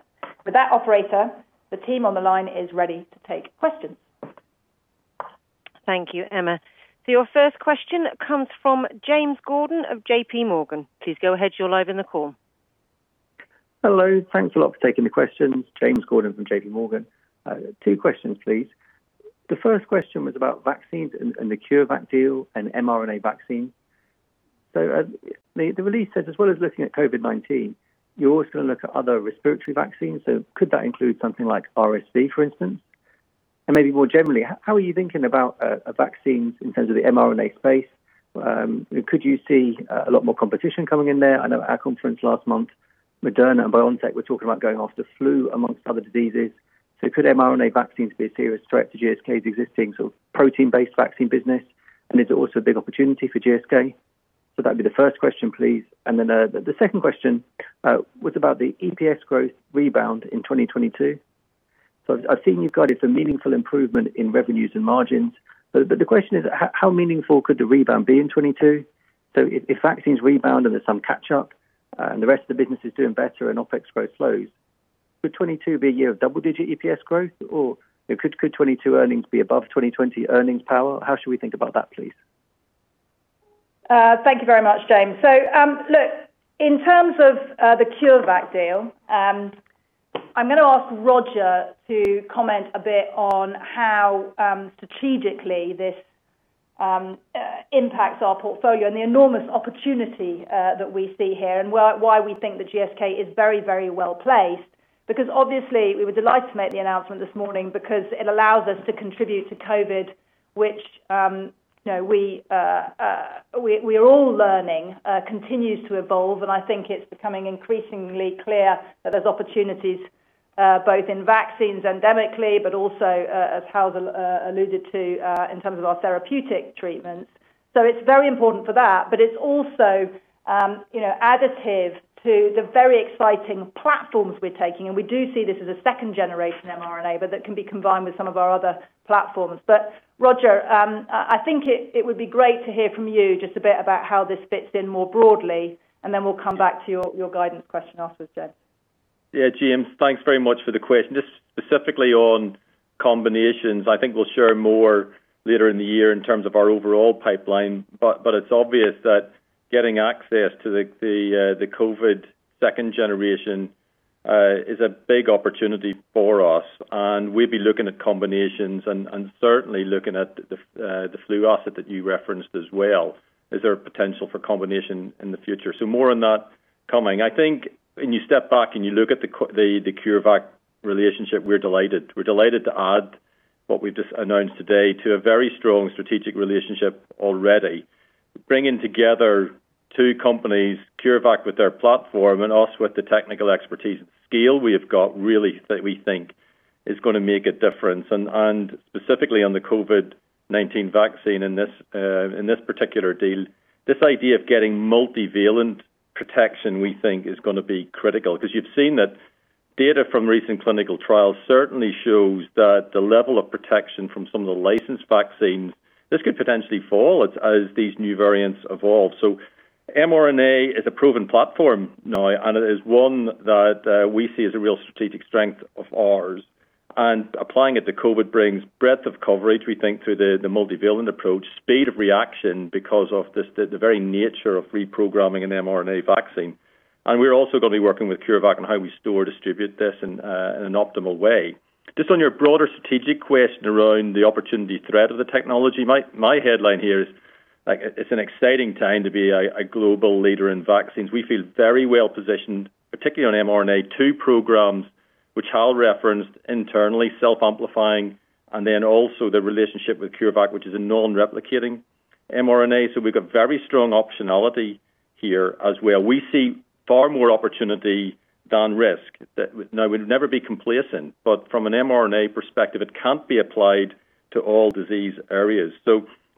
With that, operator, the team on the line is ready to take questions. Thank you, Emma. Your first question comes from James Gordon of JPMorgan. Please go ahead. You're live in the call. Hello. Thanks a lot for taking the questions. James Gordon from JPMorgan. Two questions, please. The first question was about vaccines and the CureVac deal and mRNA vaccine. The release says, as well as looking at COVID-19, you're also going to look at other respiratory vaccines. Could that include something like RSV, for instance? Maybe more generally, how are you thinking about vaccines in terms of the mRNA space? Could you see a lot more competition coming in there? I know at our conference last month, Moderna and BioNTech were talking about going after flu amongst other diseases. Could mRNA vaccines be a serious threat to GSK's existing protein-based Vaccine business? Is it also a big opportunity for GSK? That'd be the first question, please. Then, the second question was about the EPS growth rebound in 2022. I've seen you've guided for meaningful improvement in revenues and margins. The question is, how meaningful could the rebound be in 2022? If vaccines rebound and there's some catch up, and the rest of the business is doing better and OpEx growth slows, could 2022 be a year of double-digit EPS growth? Could 2022 earnings be above 2020 earnings power? How should we think about that, please? Thank you very much, James. Look, in terms of the CureVac deal, I'm going to ask Roger to comment a bit on how strategically this impacts our portfolio and the enormous opportunity that we see here and why we think that GSK is very well placed. Obviously we were delighted to make the announcement this morning because it allows us to contribute to COVID, which we are all learning continues to evolve. I think it's becoming increasingly clear that there's opportunities both in Vaccines endemically, but also, as Hal alluded to, in terms of our therapeutic treatments. It's very important for that, but it's also additive to the very exciting platforms we're taking. We do see this as a second-generation mRNA, but that can be combined with some of our other platforms. Roger, I think it would be great to hear from you just a bit about how this fits in more broadly, and then we'll come back to your guidance question after, James. James. Thanks very much for the question. Specifically on combinations, I think we'll share more later in the year in terms of our overall pipeline. It's obvious that getting access to the COVID second generation is a big opportunity for us. We'd be looking at combinations and certainly looking at the flu asset that you referenced as well. Is there a potential for combination in the future? More on that coming. I think when you step back and you look at the CureVac relationship, we're delighted. We're delighted to add what we've just announced today to a very strong strategic relationship already. Bringing together two companies, CureVac with their platform and us with the technical expertise and scale we have got really that we think is going to make a difference. Specifically on the COVID-19 vaccine in this particular deal, this idea of getting multivalent protection, we think is going to be critical. Because you've seen that data from recent clinical trials certainly shows that the level of protection from some of the licensed vaccines, this could potentially fall as these new variants evolve. mRNA is a proven platform now, and it is one that we see as a real strategic strength of ours. Applying it to COVID brings breadth of coverage, we think, through the multivalent approach. Speed of reaction because of the very nature of reprogramming an mRNA vaccine. We're also going to be working with CureVac on how we store, distribute this in an optimal way. Just on your broader strategic question around the opportunity thread of the technology, my headline here is, it's an exciting time to be a global leader in vaccines. We feel very well positioned, particularly on mRNA-2 programs, which Hal referenced internally, self-amplifying, also the relationship with CureVac, which is a non-replicating mRNA. We've got very strong optionality here as well. We see far more opportunity than risk. We'd never be complacent, from an mRNA perspective, it can't be applied to all disease areas.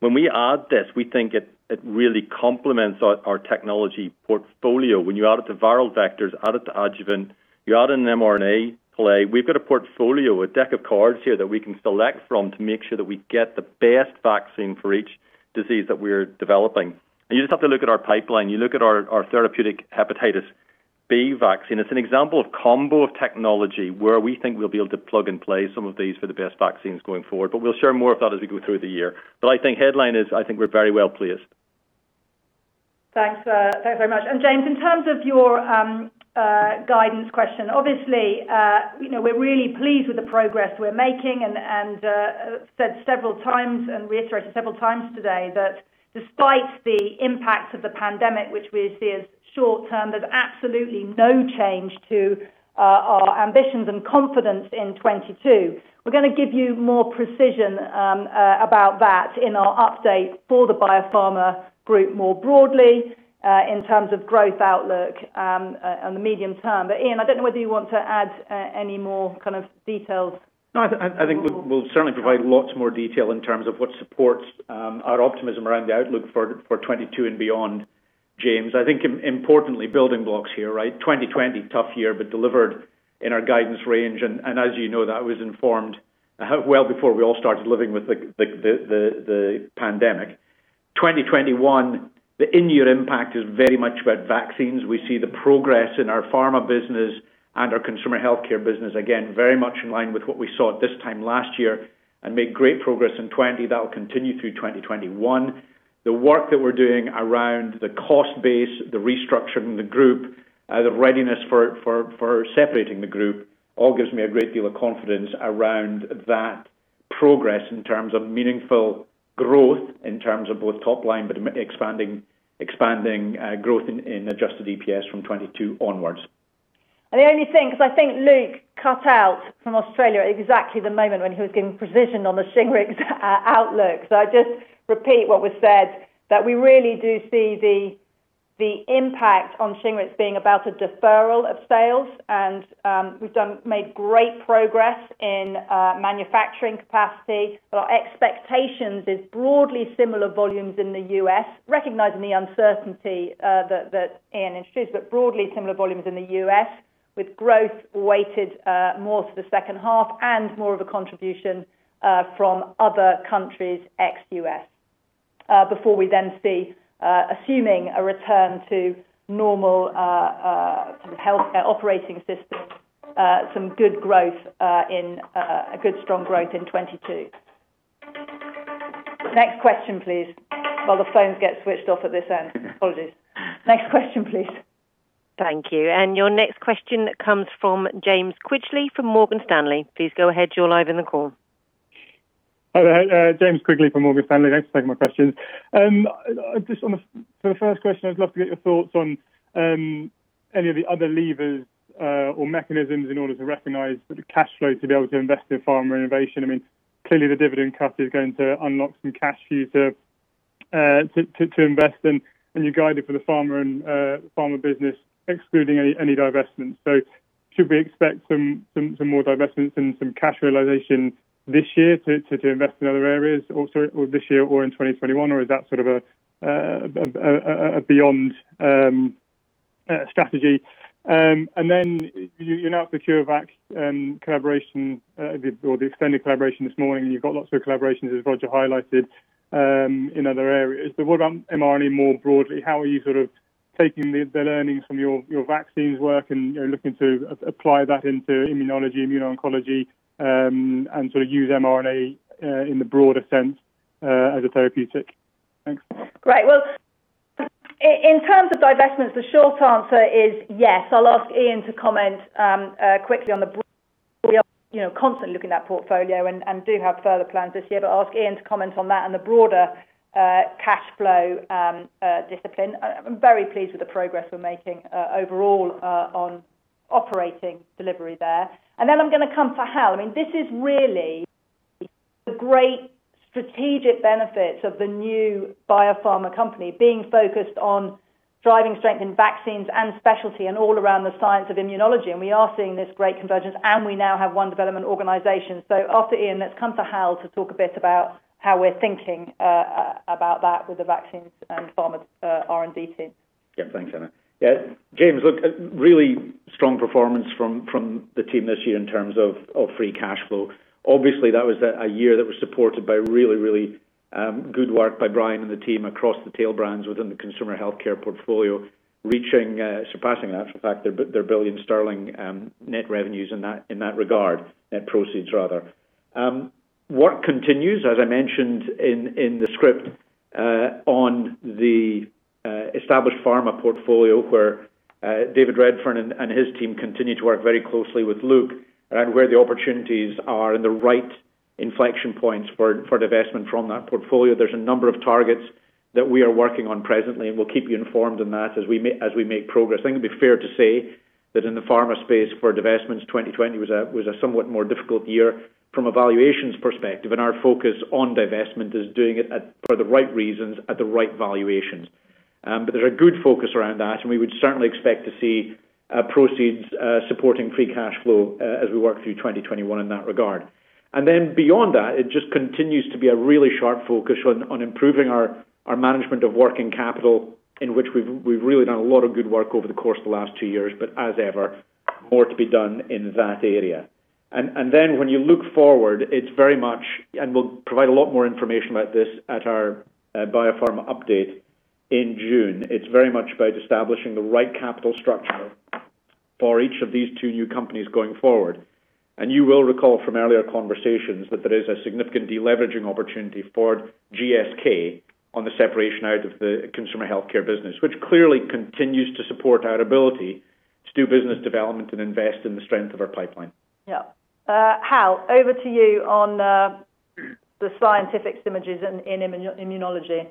When we add this, we think it really complements our technology portfolio. When you add it to viral vectors, add it to adjuvant, you add in an mRNA play. We've got a portfolio, a deck of cards here that we can select from to make sure that we get the best vaccine for each disease that we're developing. You just have to look at our pipeline. You look at our therapeutic hepatitis B vaccine. It's an example of combo technology where we think we'll be able to plug and play some of these for the best vaccines going forward. We'll share more of that as we go through the year. I think headline is, I think we're very well-placed. Thanks very much. James, in terms of your guidance question, obviously we're really pleased with the progress we're making and said several times, and reiterated several times today, that despite the impact of the pandemic, which we see as short-term, there's absolutely no change to our ambitions and confidence in 2022. We're going to give you more precision about that in our update for the biopharma group more broadly, in terms of growth outlook on the medium term. Iain, I don't know whether you want to add any more kind of details. No, I think we'll certainly provide lots more detail in terms of what supports our optimism around the outlook for 2022 and beyond, James. I think importantly, building blocks here. 2020, tough year, but delivered in our guidance range, as you know, that was informed well before we all started living with the pandemic. 2021, the in-year impact is very much about vaccines. We see the progress in our Pharma business and our Consumer Healthcare business, again, very much in line with what we saw at this time last year and made great progress in 2020. That'll continue through 2021. The work that we're doing around the cost base, the restructuring the group, the readiness for separating the group, all gives me a great deal of confidence around that progress in terms of meaningful growth, in terms of both top line, but expanding growth in adjusted EPS from 2022 onwards. The only thing, because I think Luke cut out from Australia at exactly the moment when he was giving precision on the SHINGRIX outlook. I just repeat what was said, that we really do see the impact on SHINGRIX being about a deferral of sales and we’ve made great progress in manufacturing capacity. Our expectations is broadly similar volumes in the U.S., recognizing the uncertainty that Iain introduced, but broadly similar volumes in the U.S. with growth weighted more to the second half and more of a contribution from other countries ex-U.S. We then see, assuming a return to normal sort of healthcare operating system, some good strong growth in 2022. Next question, please. While the phones get switched off at this end. Apologies. Next question, please. Thank you. Your next question comes from James Quigley from Morgan Stanley. Please go ahead. You're live in the call. Hi there. James Quigley from Morgan Stanley. Thanks for taking my questions. For the first question, I would love to get your thoughts on any of the other levers or mechanisms in order to recognize the cash flow to be able to invest in Pharma innovation. Clearly the dividend cut is going to unlock some cash for you to invest in. You guided for the Pharma business excluding any divestments. Should we expect some more divestments and some cash realization this year to invest in other areas, this year or in 2021, or is that sort of a beyond strategy? You announced the CureVac collaboration or the extended collaboration this morning, and you've got lots of other collaborations, as Roger highlighted, in other areas. What about mRNA more broadly? How are you sort of taking the learnings from your vaccines work and looking to apply that into immunology, immune oncology, and sort of use mRNA, in the broader sense, as a therapeutic? Thanks. Great. Well, in terms of divestments, the short answer is yes. I'll ask Iain to comment quickly. We are constantly looking at that portfolio and do have further plans this year, but I'll ask Iain to comment on that and the broader cash flow discipline. I'm very pleased with the progress we're making overall on operating delivery there. Then I'm going to come to Hal. This is really the great strategic benefits of the new biopharma company being focused on driving strength in Vaccines and specialty and all around the science of immunology. We are seeing this great convergence, and we now have One Development organization. After Iain, let's come to Hal to talk a bit about how we're thinking about that with the Vaccines and Pharma's R&D team. Yeah, thanks, Emma. James, look, really strong performance from the team this year in terms of free cash flow. Obviously, that was a year that was supported by really, really good work by Brian and the team across the tail brands within the Consumer Healthcare portfolio, surpassing their 1 billion sterling net revenues in that regard. Net proceeds, rather. What continues, as I mentioned in the script, on the established Pharma portfolio, where David Redfern and his team continue to work very closely with Luke around where the opportunities are and the right inflection points for divestment from that portfolio. There's a number of targets that we are working on presently, and we'll keep you informed on that as we make progress. I think it'd be fair to say that in the Pharma space for divestments, 2020 was a somewhat more difficult year from a valuations perspective, and our focus on divestment is doing it for the right reasons at the right valuations. There's a good focus around that, and we would certainly expect to see proceeds supporting free cash flow as we work through 2021 in that regard. Beyond that, it just continues to be a really sharp focus on improving our management of working capital, in which we've really done a lot of good work over the course of the last two years. As ever, more to be done in that area. When you look forward, and we'll provide a lot more information about this at our biopharma update in June. It's very much about establishing the right capital structure For each of these two new companies going forward. You will recall from earlier conversations that there is a significant deleveraging opportunity for GSK on the separation out of the Consumer Healthcare business, which clearly continues to support our ability to do business development and invest in the strength of our pipeline. Yeah. Hal, over to you on the scientific images in immunology.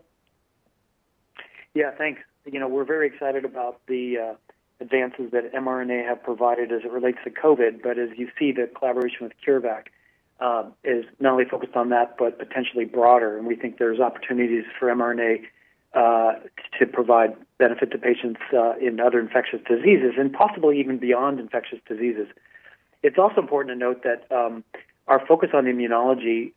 Yeah, thanks. We're very excited about the advances that mRNA have provided as it relates to COVID. As you see, the collaboration with CureVac is not only focused on that, but potentially broader. We think there's opportunities for mRNA to provide benefit to patients in other infectious diseases and possibly even beyond infectious diseases. It's also important to note that our focus on immunology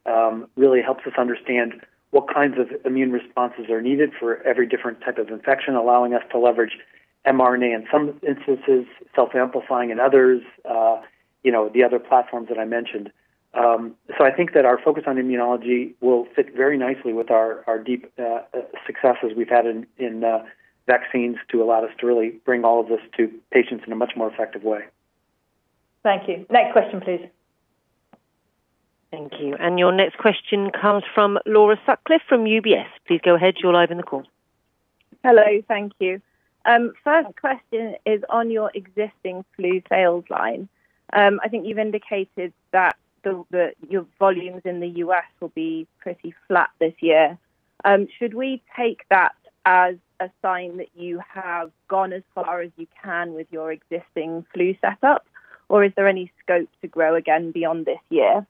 really helps us understand what kinds of immune responses are needed for every different type of infection, allowing us to leverage mRNA in some instances, self-amplifying in others, the other platforms that I mentioned. I think that our focus on immunology will fit very nicely with our deep successes we've had in Vaccines to allow us to really bring all of this to patients in a much more effective way. Thank you. Next question, please. Thank you. Your next question comes from Laura Sutcliffe from UBS. Please go ahead. You are live in the call. Hello. Thank you. First question is on your existing flu sales line. I think you've indicated that your volumes in the U.S. will be pretty flat this year. Should we take that as a sign that you have gone as far as you can with your existing flu setup, or is there any scope to grow again beyond this year?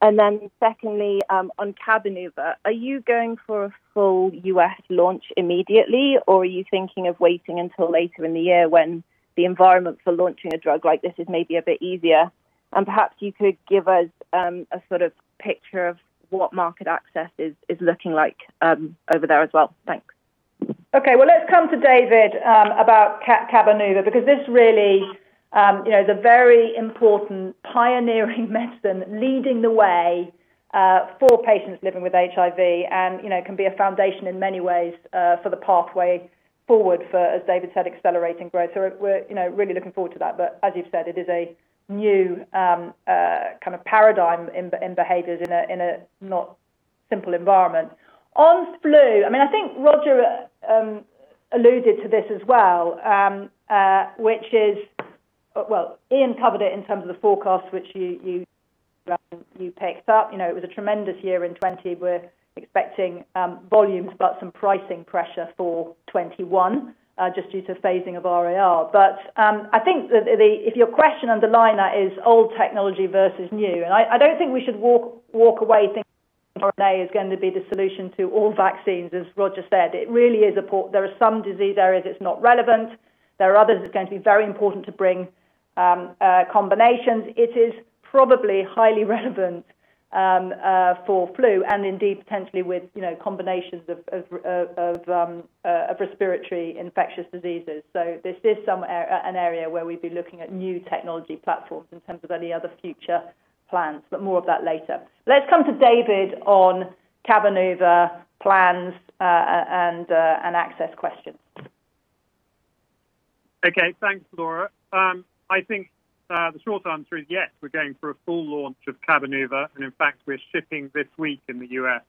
Then secondly, on Cabenuva, are you going for a full U.S. launch immediately, or are you thinking of waiting until later in the year when the environment for launching a drug like this is maybe a bit easier? Perhaps you could give us a sort of picture of what market access is looking like over there as well. Thanks. Okay. Well, let's come to David about Cabenuva, because this really is a very important pioneering medicine leading the way for patients living with HIV and can be a foundation in many ways for the pathway forward for, as David said, accelerating growth. We're really looking forward to that. As you've said, it is a new kind of paradigm in behaviors in a not simple environment. On flu, I think Roger alluded to this as well. Well, Iain covered it in terms of the forecast, which you picked up. It was a tremendous year in 2020. We're expecting volumes, but some pricing pressure for 2021, just due to phasing of RAR. I think that if your question underlying that is old technology versus new, and I don't think we should walk away thinking mRNA is going to be the solution to all vaccines, as Roger said. There are some disease areas it's not relevant. There are others it's going to be very important to bring combinations. It is probably highly relevant for flu and indeed potentially with combinations of respiratory infectious diseases. This is an area where we'd be looking at new technology platforms in terms of any other future plans, but more of that later. Let's come to David on Cabenuva plans and access questions. Okay. Thanks, Laura. I think the short answer is yes, we're going for a full launch of Cabenuva. In fact, we're shipping this week in the U.S.,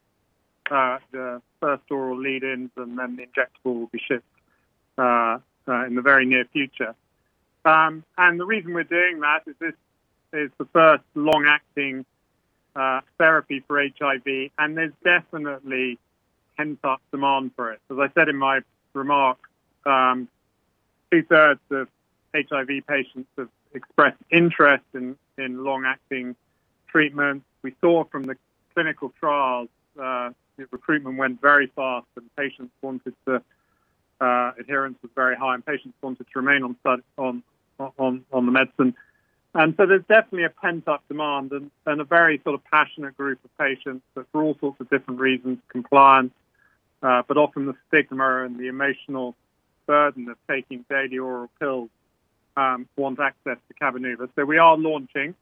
the first oral lead-ins, and then the injectable will be shipped in the very near future. The reason we're doing that is this is the first long-acting therapy for HIV. There's definitely pent-up demand for it. As I said in my remarks, two-thirds of HIV patients have expressed interest in long-acting treatment. We saw from the clinical trials the recruitment went very fast and adherence was very high. Patients wanted to remain on the medicine. There's definitely a pent-up demand and a very sort of passionate group of patients that for all sorts of different reasons, compliance, but often the stigma and the emotional burden of taking daily oral pills, want access to Cabenuva. We are launching.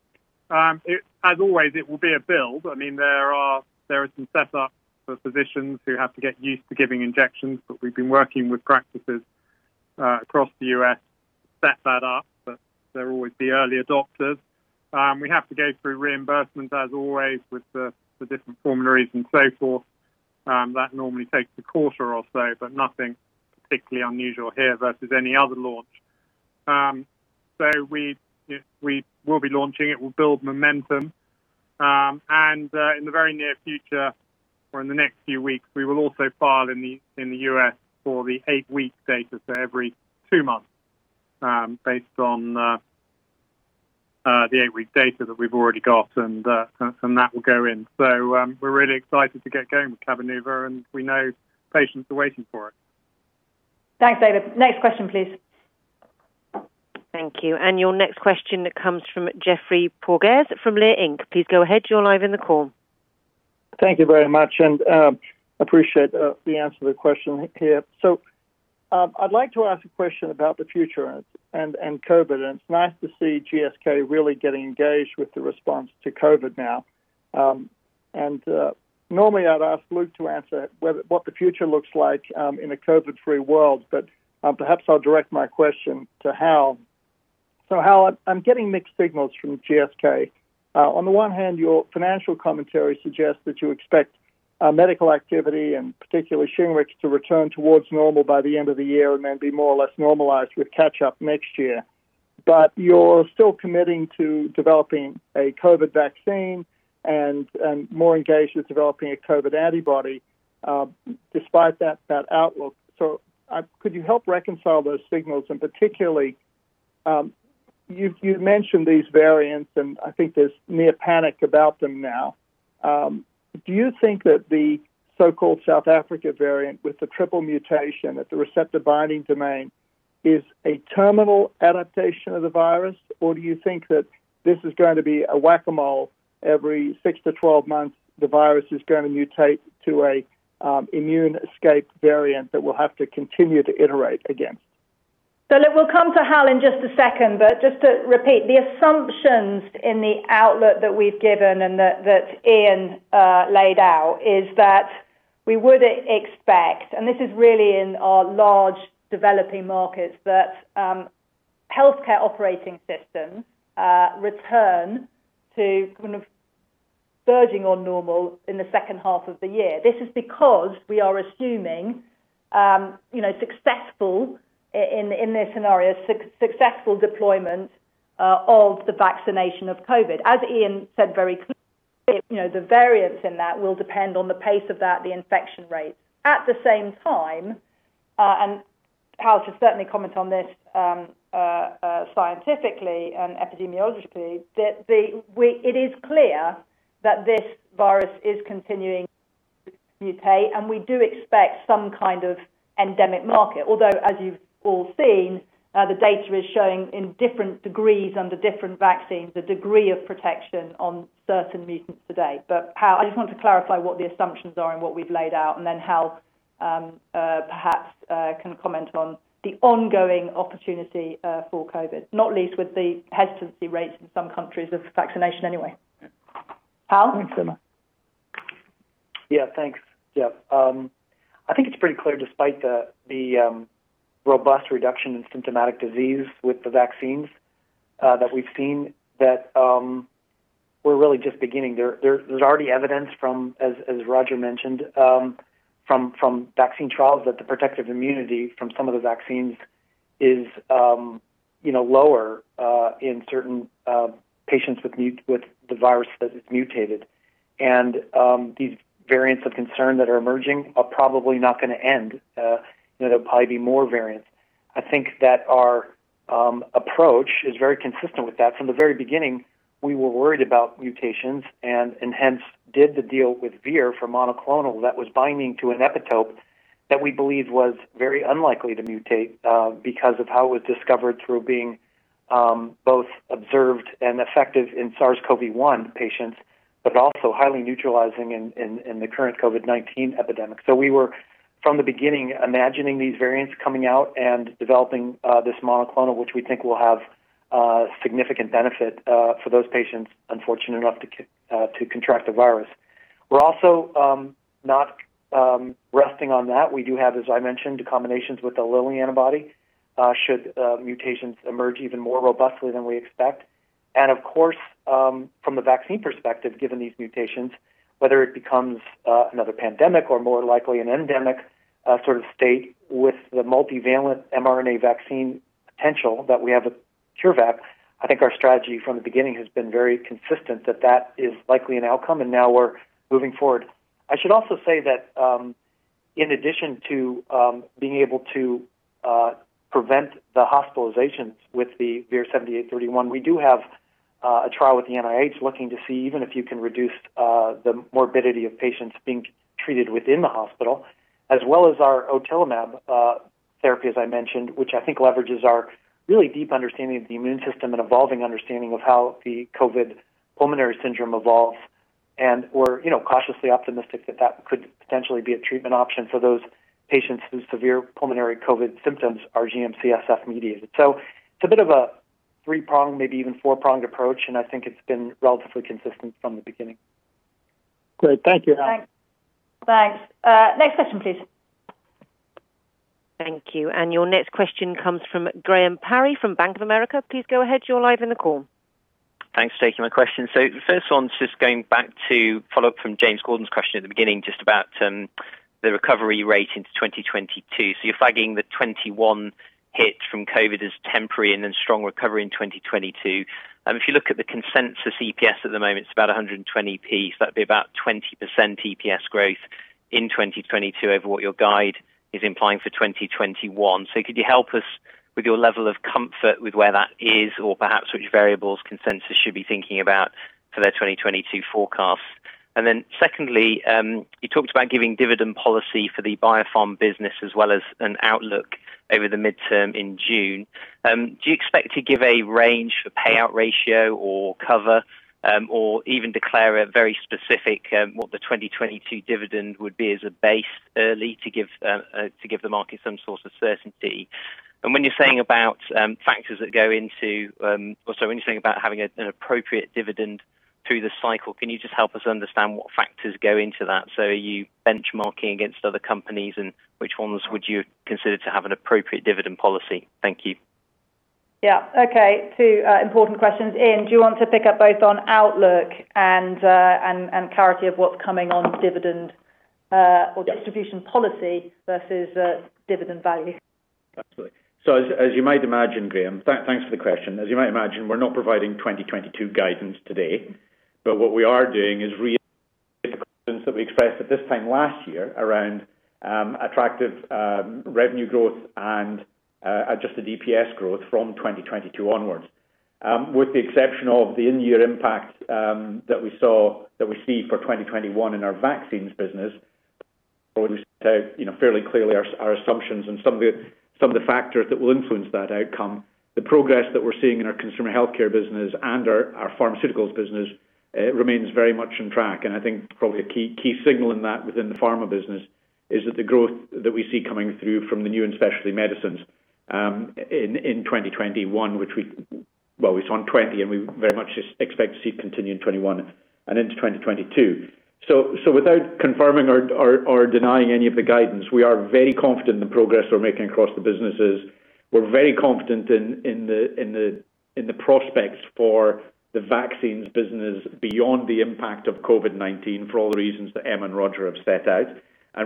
As always, it will be a build. There are some set ups for physicians who have to get used to giving injections, but we've been working with practices across the U.S. to set that up. There will always be early adopters. We have to go through reimbursement as always with the different formularies and so forth. That normally takes a quarter or so, nothing particularly unusual here versus any other launch. We will be launching. It will build momentum. In the very near future or in the next few weeks, we will also file in the U.S. for the eight-week data. Every two months, based on the eight-week data that we've already got and that will go in. We're really excited to get going with Cabenuva, and we know patients are waiting for it. Thanks, David. Next question, please. Thank you. Your next question comes from Geoffrey Porges from Leerink. Please go ahead. You are live in the call. Thank you very much, and appreciate the answer to the question. [audio distortion] I'd like to ask a question about the future and COVID, and it's nice to see GSK really getting engaged with the response to COVID now. Normally I'd ask Luke to answer what the future looks like in a COVID-free world, but perhaps I'll direct my question to Hal. Hal, I'm getting mixed signals from GSK. On the one hand, your financial commentary suggests that you expect medical activity, and particularly SHINGRIX, to return towards normal by the end of the year and then be more or less normalized with catch-up next year. You're still committing to developing a COVID vaccine and more engaged with developing a COVID antibody, despite that outlook. Could you help reconcile those signals? Particularly, you've mentioned these variants, and I think there's near panic about them now. Do you think that the so-called South Africa variant with the triple mutation at the receptor binding domain is a terminal adaptation of the virus, or do you think that this is going to be a whack-a-mole every six to 12 months, the virus is going to mutate to an immune escape variant that we'll have to continue to iterate again? Look, we'll come to Hal in just a second. Just to repeat, the assumptions in the outlook that we've given and that Iain laid out is that we would expect, and this is really in our large developing markets, that healthcare operating systems return to verging on normal in the second half of the year. This is because we are assuming, in this scenario, successful deployment of the vaccination of COVID. As Iain said very clearly, the variance in that will depend on the pace of that, the infection rates. At the same time, and Hal can certainly comment on this scientifically and epidemiologically, that it is clear that this virus is continuing to mutate, and we do expect some kind of endemic market. Although, as you've all seen, the data is showing in different degrees under different vaccines, the degree of protection on certain mutants today. Hal, I just want to clarify what the assumptions are and what we've laid out, and then Hal perhaps can comment on the ongoing opportunity for COVID, not least with the hesitancy rates in some countries of vaccination anyway. Hal? Thanks so much. Yeah, thanks. Yep. I think it's pretty clear despite the robust reduction in symptomatic disease with the vaccines that we've seen, that we're really just beginning. There's already evidence from, as Roger mentioned, from vaccine trials that the protective immunity from some of the vaccines is lower in certain patients with the virus as it's mutated. These variants of concern that are emerging are probably not going to end. There'll probably be more variants. I think that our approach is very consistent with that. From the very beginning, we were worried about mutations and hence did the deal with Vir for monoclonal that was binding to an epitope that we believe was very unlikely to mutate because of how it was discovered through being both observed and effective in SARS-CoV-1 patients, but also highly neutralizing in the current COVID-19 epidemic. We were, from the beginning, imagining these variants coming out and developing this monoclonal, which we think will have significant benefit for those patients unfortunate enough to contract the virus. We are also not resting on that. We do have, as I mentioned, combinations with the Lilly antibody, should mutations emerge even more robustly than we expect. Of course, from the vaccine perspective, given these mutations, whether it becomes another pandemic or more likely an endemic sort of state with the multivalent mRNA vaccine potential that we have with CureVac, I think our strategy from the beginning has been very consistent that that is likely an outcome, and now we are moving forward. I should also say that in addition to being able to prevent the hospitalizations with the VIR-7831, we do have a trial with the NIH looking to see even if you can reduce the morbidity of patients being treated within the hospital, as well as our otilimab therapy, as I mentioned, which I think leverages our really deep understanding of the immune system and evolving understanding of how the COVID pulmonary syndrome evolves. We're cautiously optimistic that that could potentially be a treatment option for those patients whose severe pulmonary COVID symptoms are GM-CSF mediated. It's a bit of a three-pronged, maybe even four-pronged approach, and I think it's been relatively consistent from the beginning. Great. Thank you, Hal. Thanks. Next question, please. Thank you. Your next question comes from Graham Parry from Bank of America. Please go ahead. You're live in the call. Thanks for taking my question. The first one's just going back to follow up from James Gordon's question at the beginning, just about the recovery rate into 2022. You're flagging the 2021 hit from COVID as temporary and then strong recovery in 2022. If you look at the consensus EPS at the moment, it's about 1.20, so that'd be about 20% EPS growth in 2022 over what your guide is implying for 2021. Could you help us with your level of comfort with where that is or perhaps which variables consensus should be thinking about for their 2022 forecasts? Secondly, you talked about giving dividend policy for the biopharm business as well as an outlook over the midterm in June. Do you expect to give a range for payout ratio or cover, or even declare a very specific what the 2022 dividend would be as a base early to give the market some sort of certainty? When you're saying about having an appropriate dividend through the cycle, can you just help us understand what factors go into that? Are you benchmarking against other companies, and which ones would you consider to have an appropriate dividend policy? Thank you. Yeah. Okay. Two important questions. Iain, do you want to pick up both on outlook and clarity of what's coming on dividend or distribution policy versus dividend value? Absolutely. As you might imagine, Graham. Thanks for the question. As you might imagine, we're not providing 2022 guidance today. What we are doing is reiterating the guidance that we expressed at this time last year around attractive revenue growth and adjusted EPS growth from 2022 onwards. With the exception of the in-year impact that we see for 2021 in our Vaccines business, where we set out fairly clearly our assumptions and some of the factors that will influence that outcome, the progress that we're seeing in our Consumer Healthcare business and our Pharmaceuticals business remains very much on track. I think probably a key signal in that within the Pharma business is that the growth that we see coming through from the new and specialty medicines in 2021, which we saw in 2020, and we very much expect to see continue in 2021 and into 2022. Without confirming or denying any of the guidance, we are very confident in the progress we're making across the businesses. We're very confident in the prospects for the Vaccines business beyond the impact of COVID-19, for all the reasons that Emma and Roger have set out.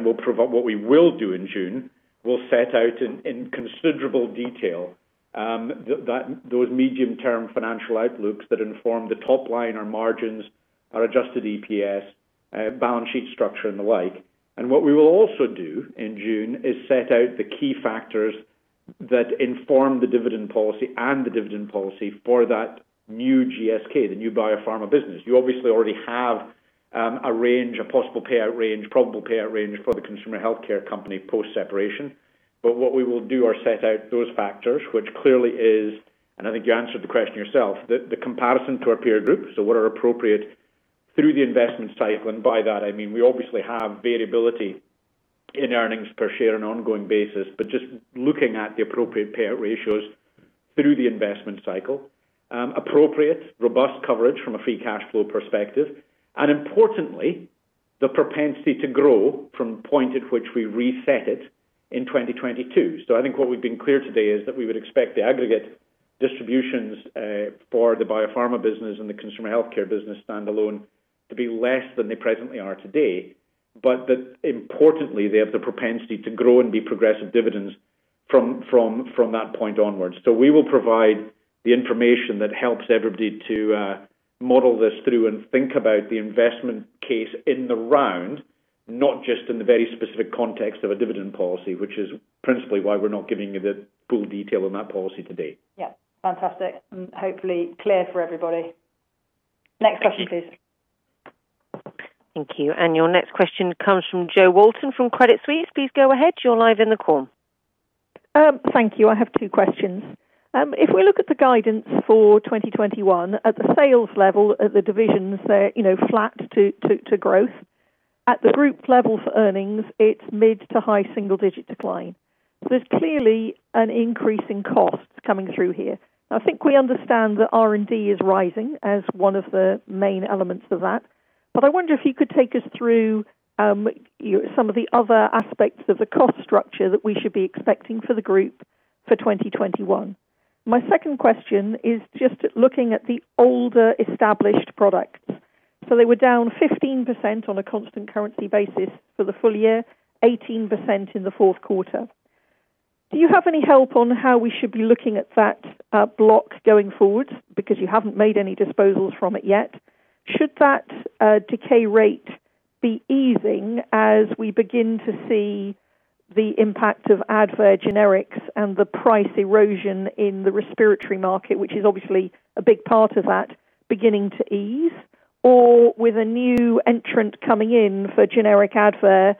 What we will do in June, we'll set out in considerable detail those medium-term financial outlooks that inform the top line, our margins, our adjusted EPS, balance sheet structure, and the like. What we will also do in June is set out the key factors that inform the dividend policy and the dividend policy for that new GSK, the new biopharma business. You obviously already have a possible payout range, probable payout range for the Consumer Healthcare company post-separation. What we will do are set out those factors, which clearly is, and I mean you answered the question yourself, the comparison to our peer group. What are appropriate through the investment cycle, and by that I mean we obviously have variability in earnings per share on an ongoing basis. Just looking at the appropriate payout ratios through the investment cycle. Appropriate, robust coverage from a free cash flow perspective. Importantly, the propensity to grow from the point at which we reset it in 2022. I think what we've been clear today is that we would expect the aggregate distributions for the biopharma business and the Consumer Healthcare business standalone to be less than they presently are today. That importantly, they have the propensity to grow and be progressive dividends from that point onwards. We will provide the information that helps everybody to model this through and think about the investment case in the round, not just in the very specific context of a dividend policy, which is principally why we are not giving you the full detail on that policy today. Yeah. Fantastic. Hopefully clear for everybody. Next question, please. Thank you. Your next question comes from Jo Walton from Credit Suisse. Please go ahead. You're live in the call. Thank you. I have two questions. If we look at the guidance for 2021, at the sales level at the divisions, they're flat to growth. At the group level for earnings, it's mid to high single-digit decline. There's clearly an increase in costs coming through here. I think we understand that R&D is rising as one of the main elements of that. I wonder if you could take us through some of the other aspects of the cost structure that we should be expecting for the group for 2021. My second question is just looking at the older established products. They were down 15% on a constant currency basis for the full year, 18% in the fourth quarter. Do you have any help on how we should be looking at that block going forward? You haven't made any disposals from it yet. Should that decay rate be easing as we begin to see the impact of Advair generics and the price erosion in the respiratory market, which is obviously a big part of that beginning to ease? With a new entrant coming in for generic Advair,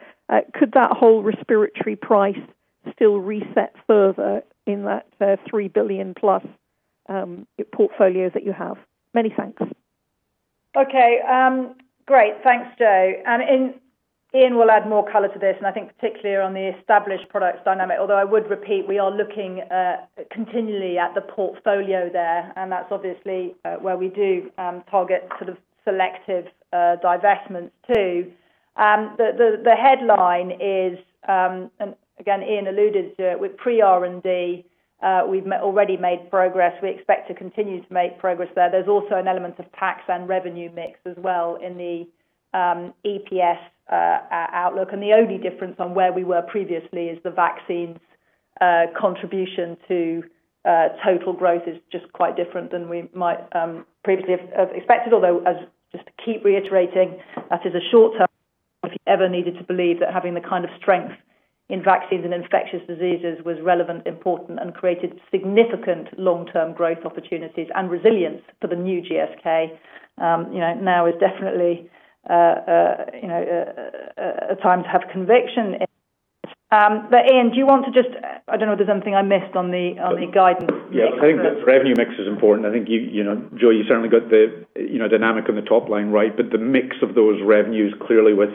could that whole respiratory price still reset further in that 3 billion+ portfolio that you have? Many thanks. Okay. Great. Thanks, Jo. Iain will add more color to this, and I think particularly on the established products dynamic, although I would repeat, we are looking continually at the portfolio there, and that's obviously where we do target sort of selective divestments too. The headline is, again, Iain alluded to it with pre-R&D, we've already made progress. We expect to continue to make progress there. There's also an element of tax and revenue mix as well in the EPS outlook. The only difference on where we were previously is the vaccines contribution to total growth is just quite different than we might previously have expected. Although, as just to keep reiterating, that is a short term. If you ever needed to believe that having the kind of strength in vaccines and infectious diseases was relevant, important, and created significant long-term growth opportunities and resilience for the new GSK. Now is definitely a time to have conviction. Iain, do you want to just, I don't know if there is something I missed on the guidance piece? Yeah, I think the revenue mix is important. I think Jo, you certainly got the dynamic on the top line right. The mix of those revenues clearly with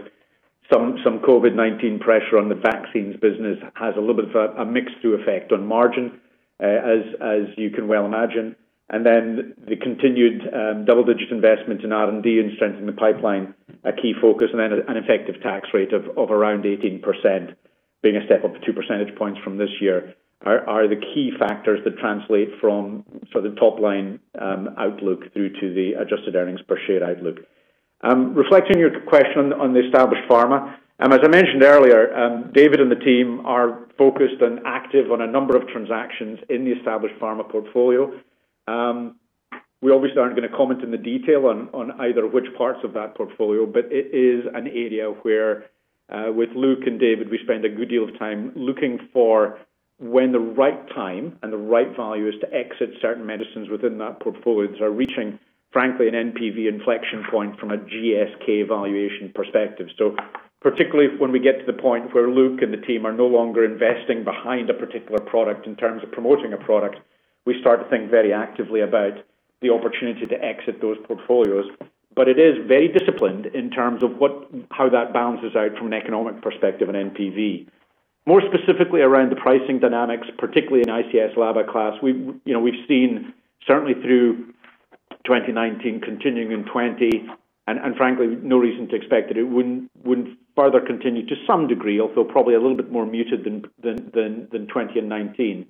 some COVID-19 pressure on the Vaccines business has a little bit of a mix through effect on margin, as you can well imagine. The continued double-digit investment in R&D and strengthening the pipeline, a key focus, an effective tax rate of around 18%, being a step up of two percentage points from this year are the key factors that translate from sort of top line outlook through to the adjusted earnings per share outlook. Reflecting your question on the established pharma, as I mentioned earlier, David and the team are focused and active on a number of transactions in the established Pharma portfolio. We obviously aren't going to comment on the detail on either which parts of that portfolio, but it is an area where, with Luke and David, we spend a good deal of time looking for when the right time and the right value is to exit certain medicines within that portfolio that are reaching, frankly, an NPV inflection point from a GSK valuation perspective. Particularly when we get to the point where Luke and the team are no longer investing behind a particular product in terms of promoting a product, we start to think very actively about the opportunity to exit those portfolios. It is very disciplined in terms of how that balances out from an economic perspective on NPV. More specifically around the pricing dynamics, particularly in ICS/LABA class, we've seen certainly through 2019 continuing in 2020. Frankly, no reason to expect that it wouldn't further continue to some degree, although probably a little bit more muted than 2019,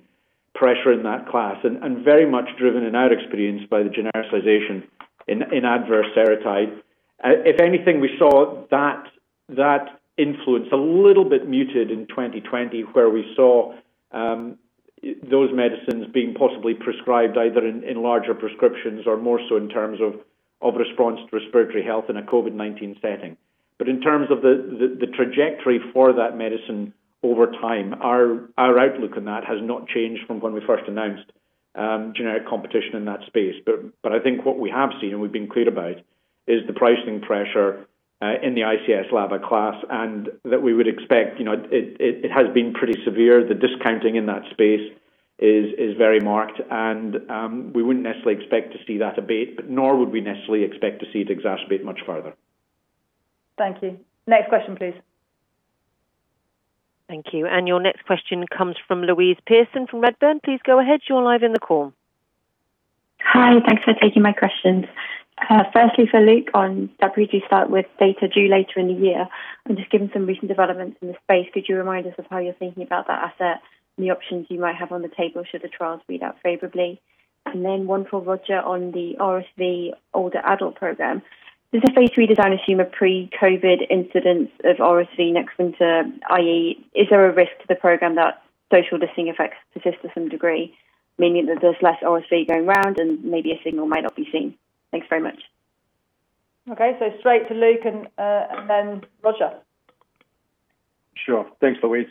pressure in that class. Very much driven in our experience by the genericization in Advair Seretide. If anything, we saw that influence a little bit muted in 2020, where we saw those medicines being possibly prescribed either in larger prescriptions or more so in terms of response to respiratory health in a COVID-19 setting. In terms of the trajectory for that medicine over time, our outlook on that has not changed from when we first announced generic competition in that space. I think what we have seen, and we've been clear about, is the pricing pressure in the ICS/LABA class, and that we would expect, it has been pretty severe. The discounting in that space is very marked. We wouldn't necessarily expect to see that abate, but nor would we necessarily expect to see it exacerbate much further. Thank you. Next question, please. Thank you. Your next question comes from Louise Pearson from Redburn. Please go ahead. You are live in the call. Hi. Thanks for taking my questions. For Luke on daprodustat with data due later in the year, just given some recent developments in the space, could you remind us of how you're thinking about that asset and the options you might have on the table should the trials read out favorably? One for Roger on the RSV older adult program. Does the phase III design assume a pre-COVID incidence of RSV next winter, i.e., is there a risk to the program that social distancing effects persist to some degree? Meaning that there's less RSV going around and maybe a signal might not be seen. Thanks very much. Okay, straight to Luke and then Roger. Sure. Thanks, Louise.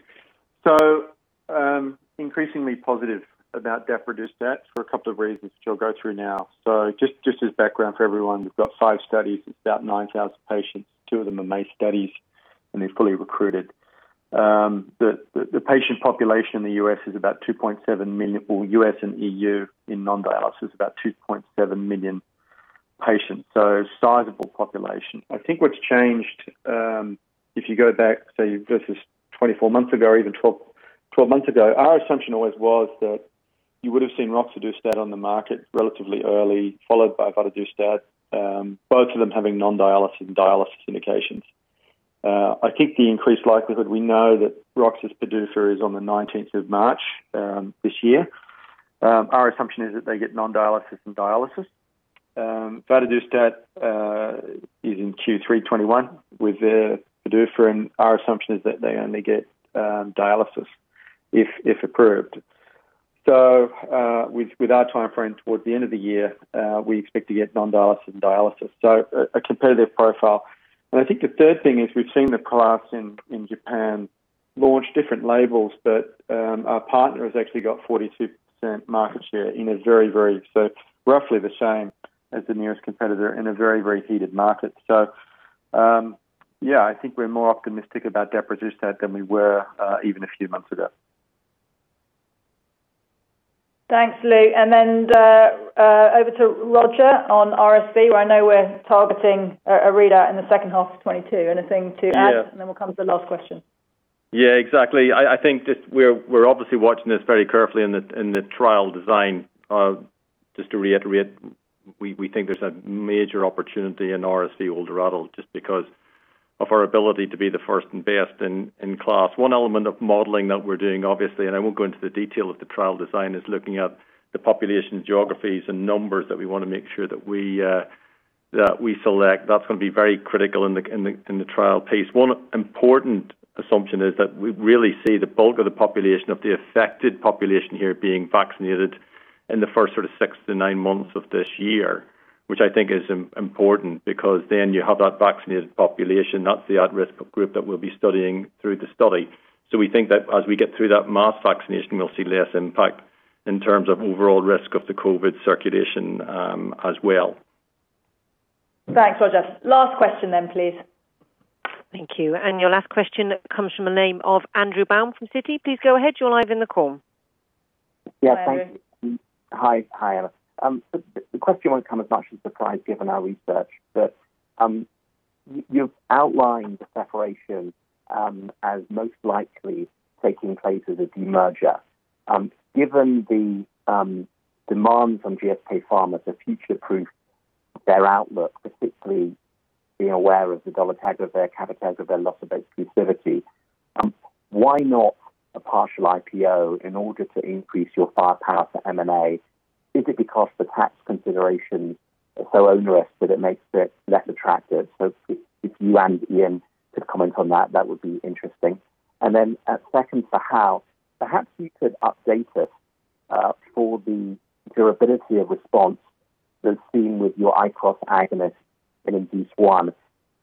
Increasingly positive about daprodustat for a couple of reasons, which I'll go through now. Just as background for everyone, we've got five studies. It's about 9,000 patients. Two of them are MACE studies, and they've fully recruited. The patient population in the U.S. is about 2.7 million, well, U.S. and EU in non-dialysis, about 2.7 million patients, so sizable population. I think what's changed, if you go back, say, versus 24 months ago or even 12 months ago, our assumption always was that you would've seen roxadustat on the market relatively early, followed by vadadustat both of them having non-dialysis and dialysis indications. I think the increased likelihood we know that roxadustat is on the 19th of March this year. Our assumption is that they get non-dialysis and dialysis. Vadadustat is in Q3 2021 with the daprodustat and our assumption is that they only get dialysis if approved. With our timeframe towards the end of the year, we expect to get non-dialysis and dialysis. A competitive profile. I think the third thing is we've seen the class in Japan launch different labels, but our partner has actually got 42% market share, so roughly the same as the nearest competitor in a very, very heated market. Yeah, I think we're more optimistic about daprodustat than we were even a few months ago. Thanks, Luke. Over to Roger on RSV, where I know we're targeting a readout in the second half of 2022. Anything to add? Yeah. Then we'll come to the last question. Exactly. I think we're obviously watching this very carefully in the trial design. Just to reiterate, we think there's a major opportunity in RSV older adult just because of our ability to be the first and best in class. One element of modeling that we're doing, obviously, and I won't go into the detail of the trial design, is looking at the population geographies and numbers that we want to make sure that we select. That's going to be very critical in the trial piece. One important assumption is that we really see the bulk of the population of the affected population here being vaccinated in the first sort of six to nine months of this year, which I think is important because then you have that vaccinated population. That's the at-risk group that we'll be studying through the study. We think that as we get through that mass vaccination, we'll see less impact in terms of overall risk of the COVID circulation as well. Thanks, Roger. Last question then, please. Thank you. Your last question comes from the name of Andrew Baum from Citi. Please go ahead. You are live in the call. Thank you. Hi, Emma. The question won't come as much of a surprise given our research, but you've outlined the separation as most likely taking place as a demerger. Given the demands on GSK Pharma to future-proof their outlook, specifically being aware of the dolutegravir caveat of their loss of exclusivity, why not a partial IPO in order to increase your firepower for M&A? Is it because the tax considerations are so onerous that it makes it less attractive? If you and Iain could comment on that would be interesting. A second for Hal, perhaps you could update us for the durability of response that's seen with your ICOS agonist in INDUCE-1.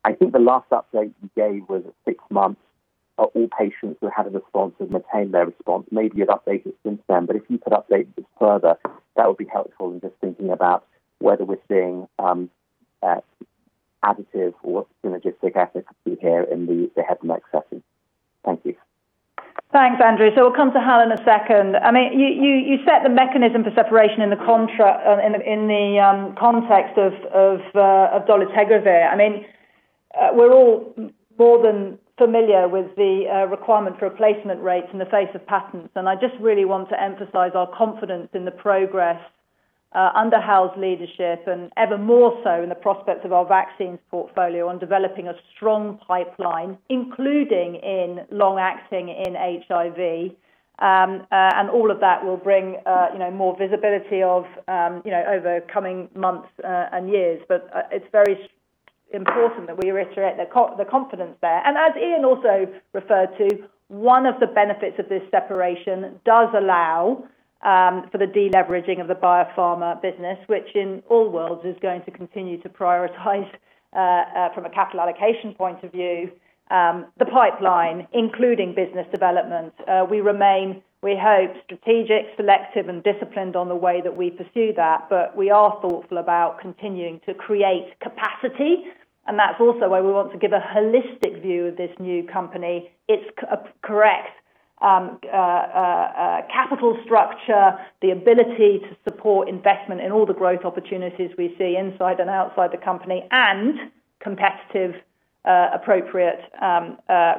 I think the last update you gave was at six months, all patients who had a response have maintained their response. Maybe you've updated since then, but if you could update it further, that would be helpful in just thinking about whether we're seeing additive or synergistic efficacy here in the head and neck setting. Thank you. Thanks, Andrew. We'll come to Hal in a second. You set the mechanism for separation in the context of dolutegravir. We're all more than familiar with the requirement for replacement rates in the face of patents. I just really want to emphasize our confidence in the progress under Hal's leadership and ever more so in the prospects of our Vaccines portfolio on developing a strong pipeline, including in long-acting in HIV. All of that will bring more visibility over coming months and years. It's very important that we reiterate the confidence there. As Iain also referred to, one of the benefits of this separation does allow for the de-leveraging of the biopharma business, which in all worlds is going to continue to prioritize, from a capital allocation point of view, the pipeline, including business development. We remain, we hope, strategic, selective, and disciplined on the way that we pursue that. We are thoughtful about continuing to create capacity, and that's also why we want to give a holistic view of this new company. It's correct capital structure, the ability to support investment in all the growth opportunities we see inside and outside the company, and competitive, appropriate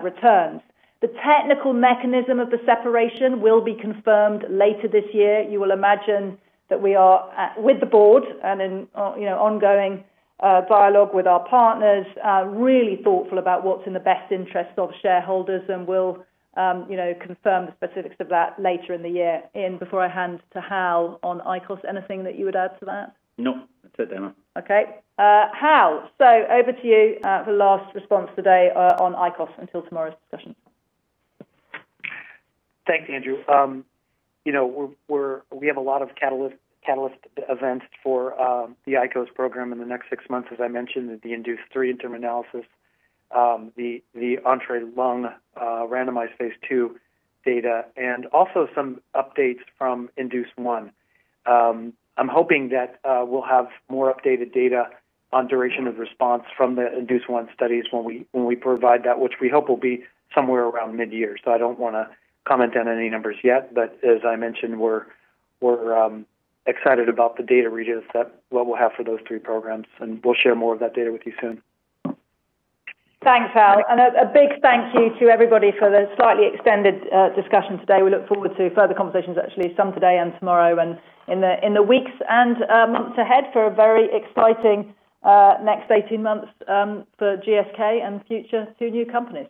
returns. The technical mechanism of the separation will be confirmed later this year. You will imagine that we are, with the board and in ongoing dialogue with our partners, really thoughtful about what's in the best interest of shareholders, and we'll confirm the specifics of that later in the year. Iain, before I hand to Hal on ICOS, anything that you would add to that? No, that's it, Emma. Okay. Hal, over to you for the last response today on ICOS until tomorrow's discussion. Thanks, Andrew. We have a lot of catalyst events for the ICOS program in the next six months, as I mentioned, the INDUCE-3 interim analysis, the ENTREE Lung randomized phase II data, and also some updates from INDUCE-1. I'm hoping that we'll have more updated data on duration of response from the INDUCE-1 studies when we provide that, which we hope will be somewhere around mid-year. I don't want to comment on any numbers yet. As I mentioned, we're excited about the data readouts that we'll have for those three programs. We'll share more of that data with you soon. Thanks, Hal. A big thank you to everybody for the slightly extended discussion today. We look forward to further conversations, actually, some today and tomorrow and in the weeks and months ahead for a very exciting next 18 months for GSK and future two new companies.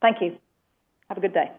Thank you. Have a good day.